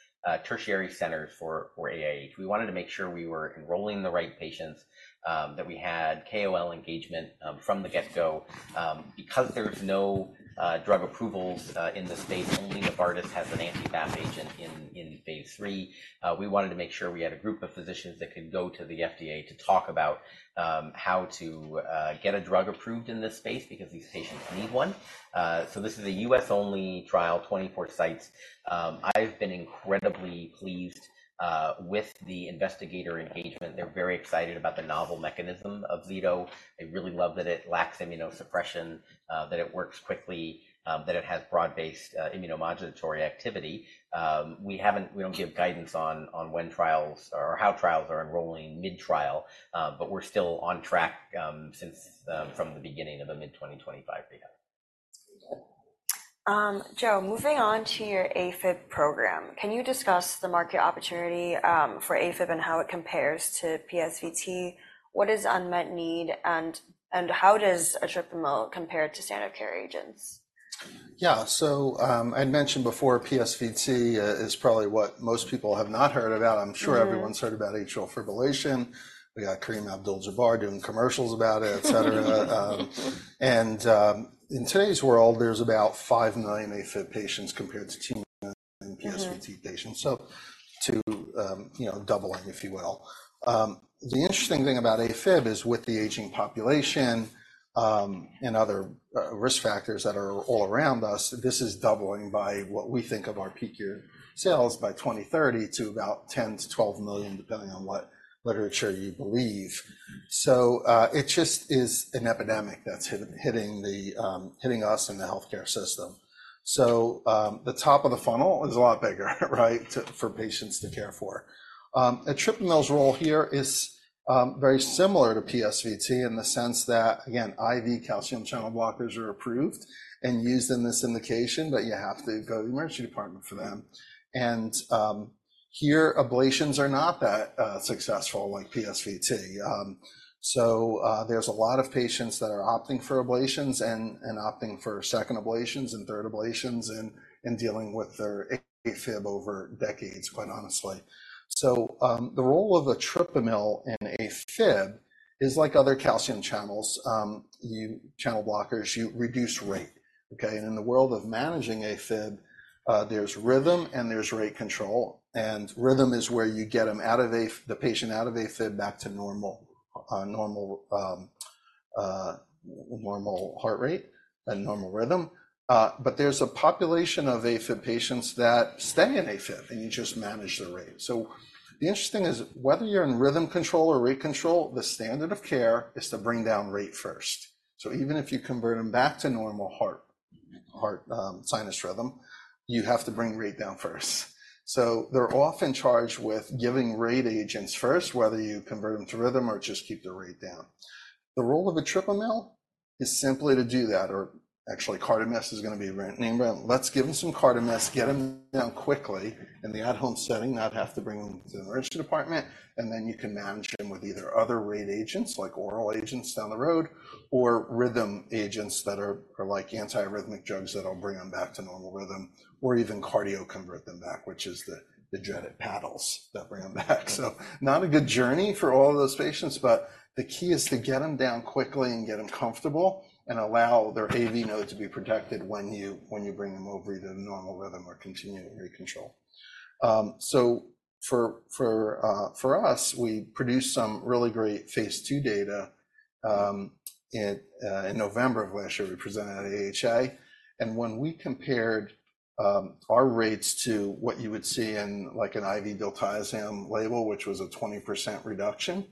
tertiary centers for AIH. We wanted to make sure we were enrolling the right patients, that we had KOL engagement from the get-go. Because there's no drug approvals in this space, only Bardess has an anti-BAFF agent in phase III, we wanted to make sure we had a group of physicians that could go to the FDA to talk about how to get a drug approved in this space because these patients need one. So this is a U.S.-only trial, 24 sites. I've been incredibly pleased with the investigator engagement. They're very excited about the novel mechanism of Veto. They really love that it lacks immunosuppression, that it works quickly, that it has broad-based immunomodulatory activity. We don't give guidance on when trials or how trials are enrolling mid-trial, but we're still on track since from the beginning of the mid-2025 readout. Joe, moving on to your AFib program, can you discuss the market opportunity for AFib and how it compares to PSVT? What is unmet need, and how does etripamil compare to standard care agents? Yeah. So, I'd mentioned before, PSVT is probably what most people have not heard about. Mm-hmm. I'm sure everyone's heard about Atrial Fibrillation. We got Kareem Abdul-Jabbar doing commercials about it, et cetera. In today's world, there's about five million AFib patients compared to two million- Mm-hmm... PSVT patients, so to, you know, doubling, if you will. The interesting thing about AFib is with the aging population, and other, risk factors that are all around us, this is doubling by what we think of our peak year sales by 2030 to about $10 million-$12 million, depending on what literature you believe. So, it just is an epidemic that's hitting us in the healthcare system. So, the top of the funnel is a lot bigger, right, to, for patients to care for etripamil role here is, very similar to PSVT in the sense that, again, IV calcium channel blockers are approved and used in this indication, but you have to go to the emergency department for them. And, here, ablations are not that, successful, like PSVT. So, there's a lot of patients that are opting for ablations and opting for second ablations and third ablations and dealing with their AFib over decades, quite honestly. So, the role of etripamil in AFib is like other calcium channel blockers. You reduce rate, okay? And in the world of managing AFib, there's rhythm, and there's rate control, and rhythm is where you get them out of AFib, the patient out of AFib, back to normal, normal heart rate and normal rhythm. But there's a population of AFib patients that stay in AFib, and you just manage the rate. So the interesting is, whether you're in rhythm control or rate control, the standard of care is to bring down rate first. So even if you convert them back to normal heart sinus rhythm, you have to bring rate down first. So they're often charged with giving rate agents first, whether you convert them to rhythm or just keep the rate down. The role of etripamil is simply to do that, or actually, CARDAMYST is gonna be a brand name. But let's give them some CARDAMYST, get them down quickly in the at-home setting, not have to bring them to the emergency department, and then you can manage them with either other rate agents, like oral agents down the road, or rhythm agents that are like anti-arrhythmic drugs that'll bring them back to normal rhythm or even cardiovert them back, which is the defibrillator paddles that bring them back. So not a good journey for all of those patients, but the key is to get them down quickly and get them comfortable and allow their AV node to be protected when you bring them over to the normal rhythm or continuing rate control. So for us, we produced some really great phase II data in November of last year, we presented at AHA, and when we compared our rates to what you would see in, like, an IV diltiazem label, which was a 20% reduction,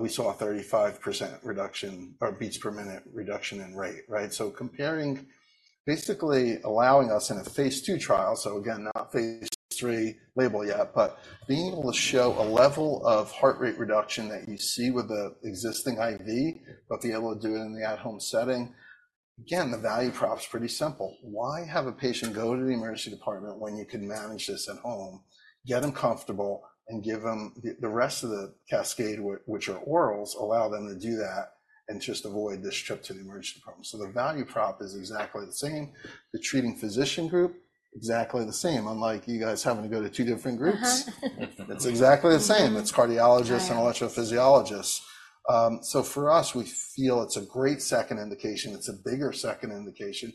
we saw a 35% reduction or beats per minute reduction in rate. Right? So comparing, basically allowing us in a phase II trial, so again, not phase III label yet, but being able to show a level of heart rate reduction that you see with the existing IV, but be able to do it in the at-home setting, again, the value prop is pretty simple. Why have a patient go to the emergency department when you can manage this at home, get them comfortable, and give them the rest of the cascade, which are orals, allow them to do that and just avoid this trip to the emergency department? So the value prop is exactly the same. The treating physician group, exactly the same, unlike you guys having to go to two different groups. Uh-huh. It's exactly the same. It's cardiologists- Right... and electrophysiologists. So for us, we feel it's a great second indication. It's a bigger second indication.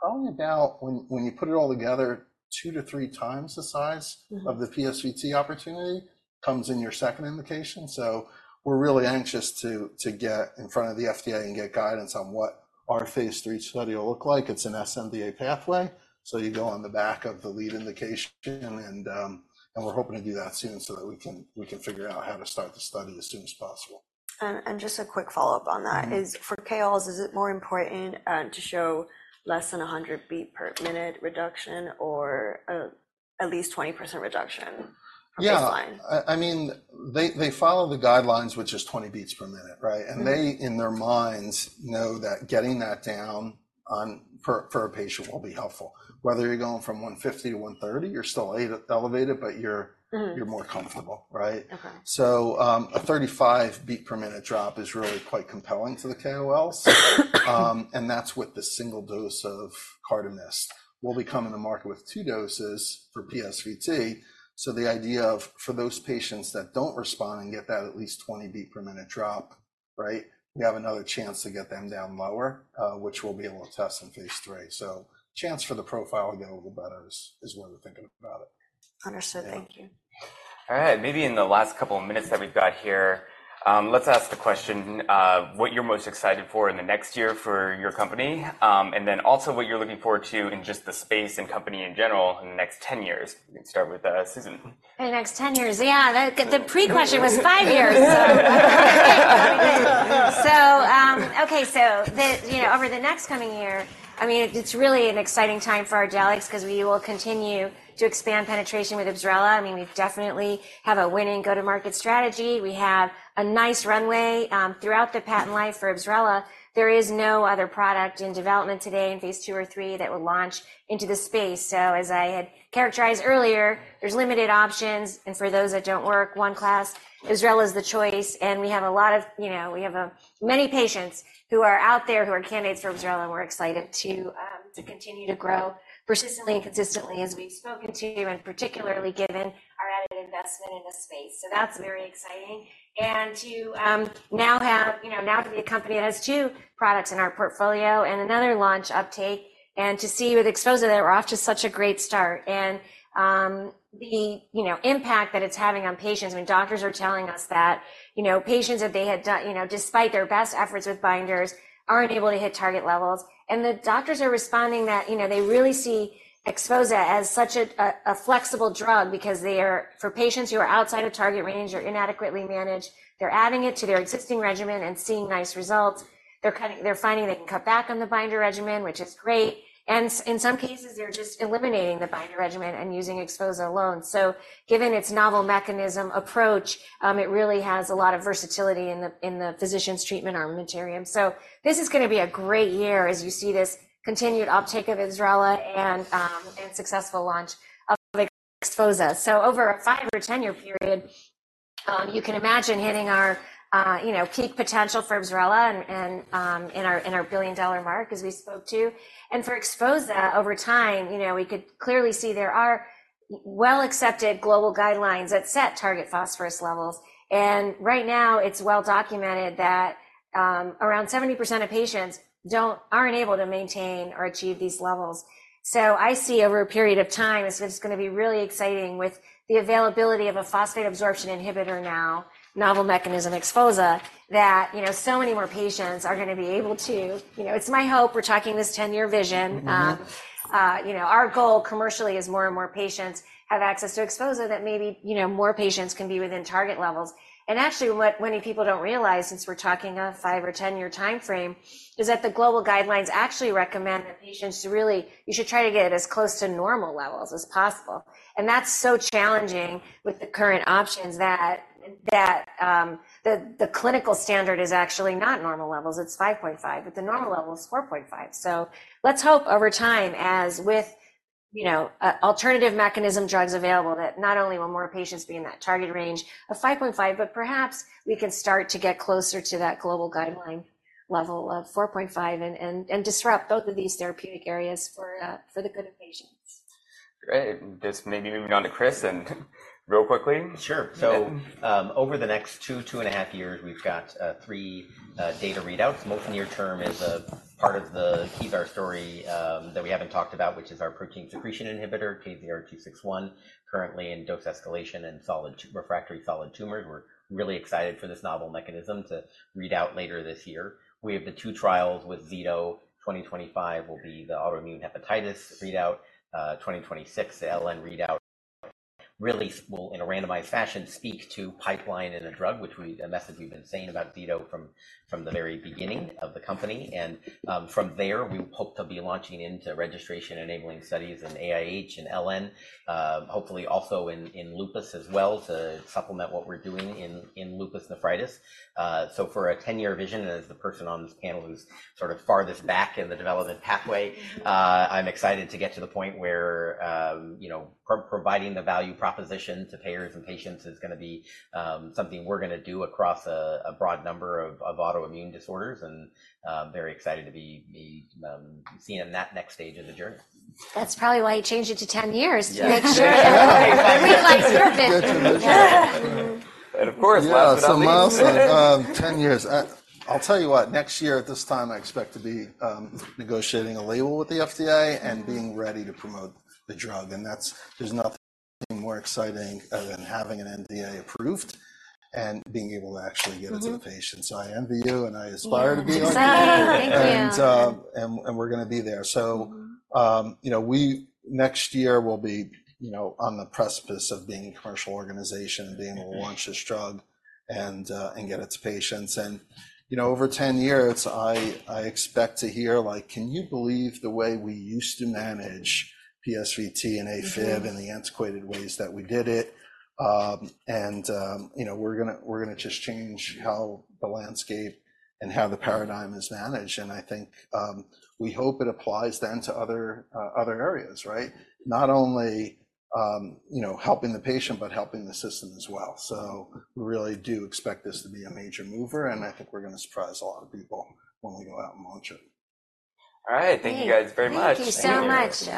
Probably about when you put it all together, two to three times the size- Mm-hmm... of the PSVT opportunity comes in your second indication, so we're really anxious to get in front of the FDA and get guidance on what our phase III study will look like. It's an sNDA pathway, so you go on the back of the lead indication, and we're hoping to do that soon so that we can figure out how to start the study as soon as possible. Just a quick follow-up on that- Mm-hmm... is for KOLs, is it more important to show less than 100 beats per minute reduction or at least 20% reduction from baseline? Yeah. I mean, they follow the guidelines, which is 20 beats per minute, right? Mm-hmm. They, in their minds, know that getting that down on, for a patient will be helpful. Whether you're going from 150 to 130, you're still elevated, but you're- Mm-hmm... you're more comfortable, right? Okay. So, a 35 beat per minute drop is really quite compelling to the KOLs, and that's with the single dose of CARDAMYST. We'll be coming to market with two doses for PSVT. So the idea of, for those patients that don't respond and get that at least 20 beat per minute drop, right? We have another chance to get them down lower, which we'll be able to test in phase III. So chance for the profile to get a little better is, is worth thinking about it. Understood. Yeah. Thank you. All right. Maybe in the last couple of minutes that we've got here, let's ask the question, what you're most excited for in the next year for your company, and then also what you're looking forward to in just the space and company in general in the next 10 years. We can start with Susan. In the next 10 years? Yeah, the pre-question was five years. So, okay, so the, you know, over the next coming year, I mean, it's really an exciting time for Ardelyx because we will continue to expand penetration with IBSRELA. I mean, we definitely have a winning go-to-market strategy. We have a nice runway throughout the patent life for IBSRELA. There is no other product in development today in phase II or III that will launch into the space. So as I had characterized earlier, there's limited options, and for those that don't work, one class, IBSRELA is the choice, and we have a lot of, you know, we have many patients who are out there who are candidates for IBSRELA, and we're excited to continue to grow persistently and consistently as we've spoken to, and particularly given our added investment in the space. So that's very exciting. And to now have, you know, now to be a company that has two products in our portfolio and another launch uptake, and to see with XPHOZAH, that we're off to such a great start. And the, you know, impact that it's having on patients when doctors are telling us that, you know, patients that they had done, you know, despite their best efforts with binders, aren't able to hit target levels. And the doctors are responding that, you know, they really see XPHOZAH as such a flexible drug because they are... For patients who are outside of target range or inadequately managed, they're adding it to their existing regimen and seeing nice results. They're finding they can cut back on the binder regimen, which is great, and in some cases, they're just eliminating the binder regimen and using XPHOZAH alone. So given its novel mechanism approach, it really has a lot of versatility in the physician's treatment armamentarium. So this is gonna be a great year as we see this continued uptake of IBSRELA and successful launch of XPHOZAH. So over a five or 10-year period, you can imagine hitting our, you know, peak potential for IBSRELA and in our billion-dollar mark, as we spoke to. And for XPHOZAH, over time, you know, we could clearly see there are well-accepted global guidelines that set target phosphorus levels, and right now, it's well documented that around 70% of patients aren't able to maintain or achieve these levels. So I see over a period of time, this is gonna be really exciting with the availability of a phosphate absorption inhibitor now, novel mechanism XPHOZAH, that, you know, so many more patients are gonna be able to... You know, it's my hope, we're talking this 10-year vision. Mm-hmm. You know, our goal commercially is more and more patients have access to XPHOZAH, that maybe, you know, more patients can be within target levels. And actually, what many people don't realize, since we're talking a five or 10-year timeframe, is that the global guidelines actually recommend that patients should really, you should try to get it as close to normal levels as possible. And that's so challenging with the current options that the clinical standard is actually not normal levels. It's 5.5, but the normal level is 4.5. So let's hope over time, as with, you know, alternative mechanism drugs available, that not only will more patients be in that target range of 5.5, but perhaps we can start to get closer to that global guideline level of 4.5 and disrupt both of these therapeutic areas for the good of patient.... Great. Just maybe moving on to Chris and real quickly? Sure. So, over the next two-2.5 years, we've got three data readouts. Most near term is a part of the Kezar story that we haven't talked about, which is our protein secretion inhibitor, KZR-261, currently in dose escalation in refractory solid tumors. We're really excited for this novel mechanism to read out later this year. We have the two trials with ZTO. 2025 will be the autoimmune hepatitis readout, 2026, the LN readout really will, in a randomized fashion, speak to potency of a drug, a message we've been saying about ZTO from the very beginning of the company. From there, we hope to be launching into registration-enabling studies in AIH and LN, hopefully also in lupus as well, to supplement what we're doing in lupus nephritis. So, for a 10-year vision, as the person on this panel who's sort of farthest back in the development pathway, I'm excited to get to the point where, you know, providing the value proposition to payers and patients is gonna be something we're gonna do across a broad number of autoimmune disorders, and very excited to be seeing them in that next stage of the journey. That's probably why you changed it to 10 years. Yeah. We like perfect. Good. And of course, last but not least. Yeah, so Milestone, 10 years. I'll tell you what, next year at this time, I expect to be negotiating a label with the FDA and being ready to promote the drug, and that's. There's nothing more exciting than having an NDA approved and being able to actually give it to the patient. Mm-hmm. I envy you, and I aspire to be like you. Yeah. Thank you. And we're gonna be there. Mm-hmm. So, you know, we next year will be, you know, on the precipice of being a commercial organization, being able to launch this drug, and get it to patients. And, you know, over 10 years, I expect to hear, like, "Can you believe the way we used to manage PSVT and AFib- Mm-hmm -and the antiquated ways that we did it? and, you know, we're gonna, we're gonna just change how the landscape and how the paradigm is managed. And I think, we hope it applies then to other, other areas, right? Not only, you know, helping the patient, but helping the system as well. So we really do expect this to be a major mover, and I think we're gonna surprise a lot of people when we go out and launch it. All right. Thank you guys very much. Thank you so much.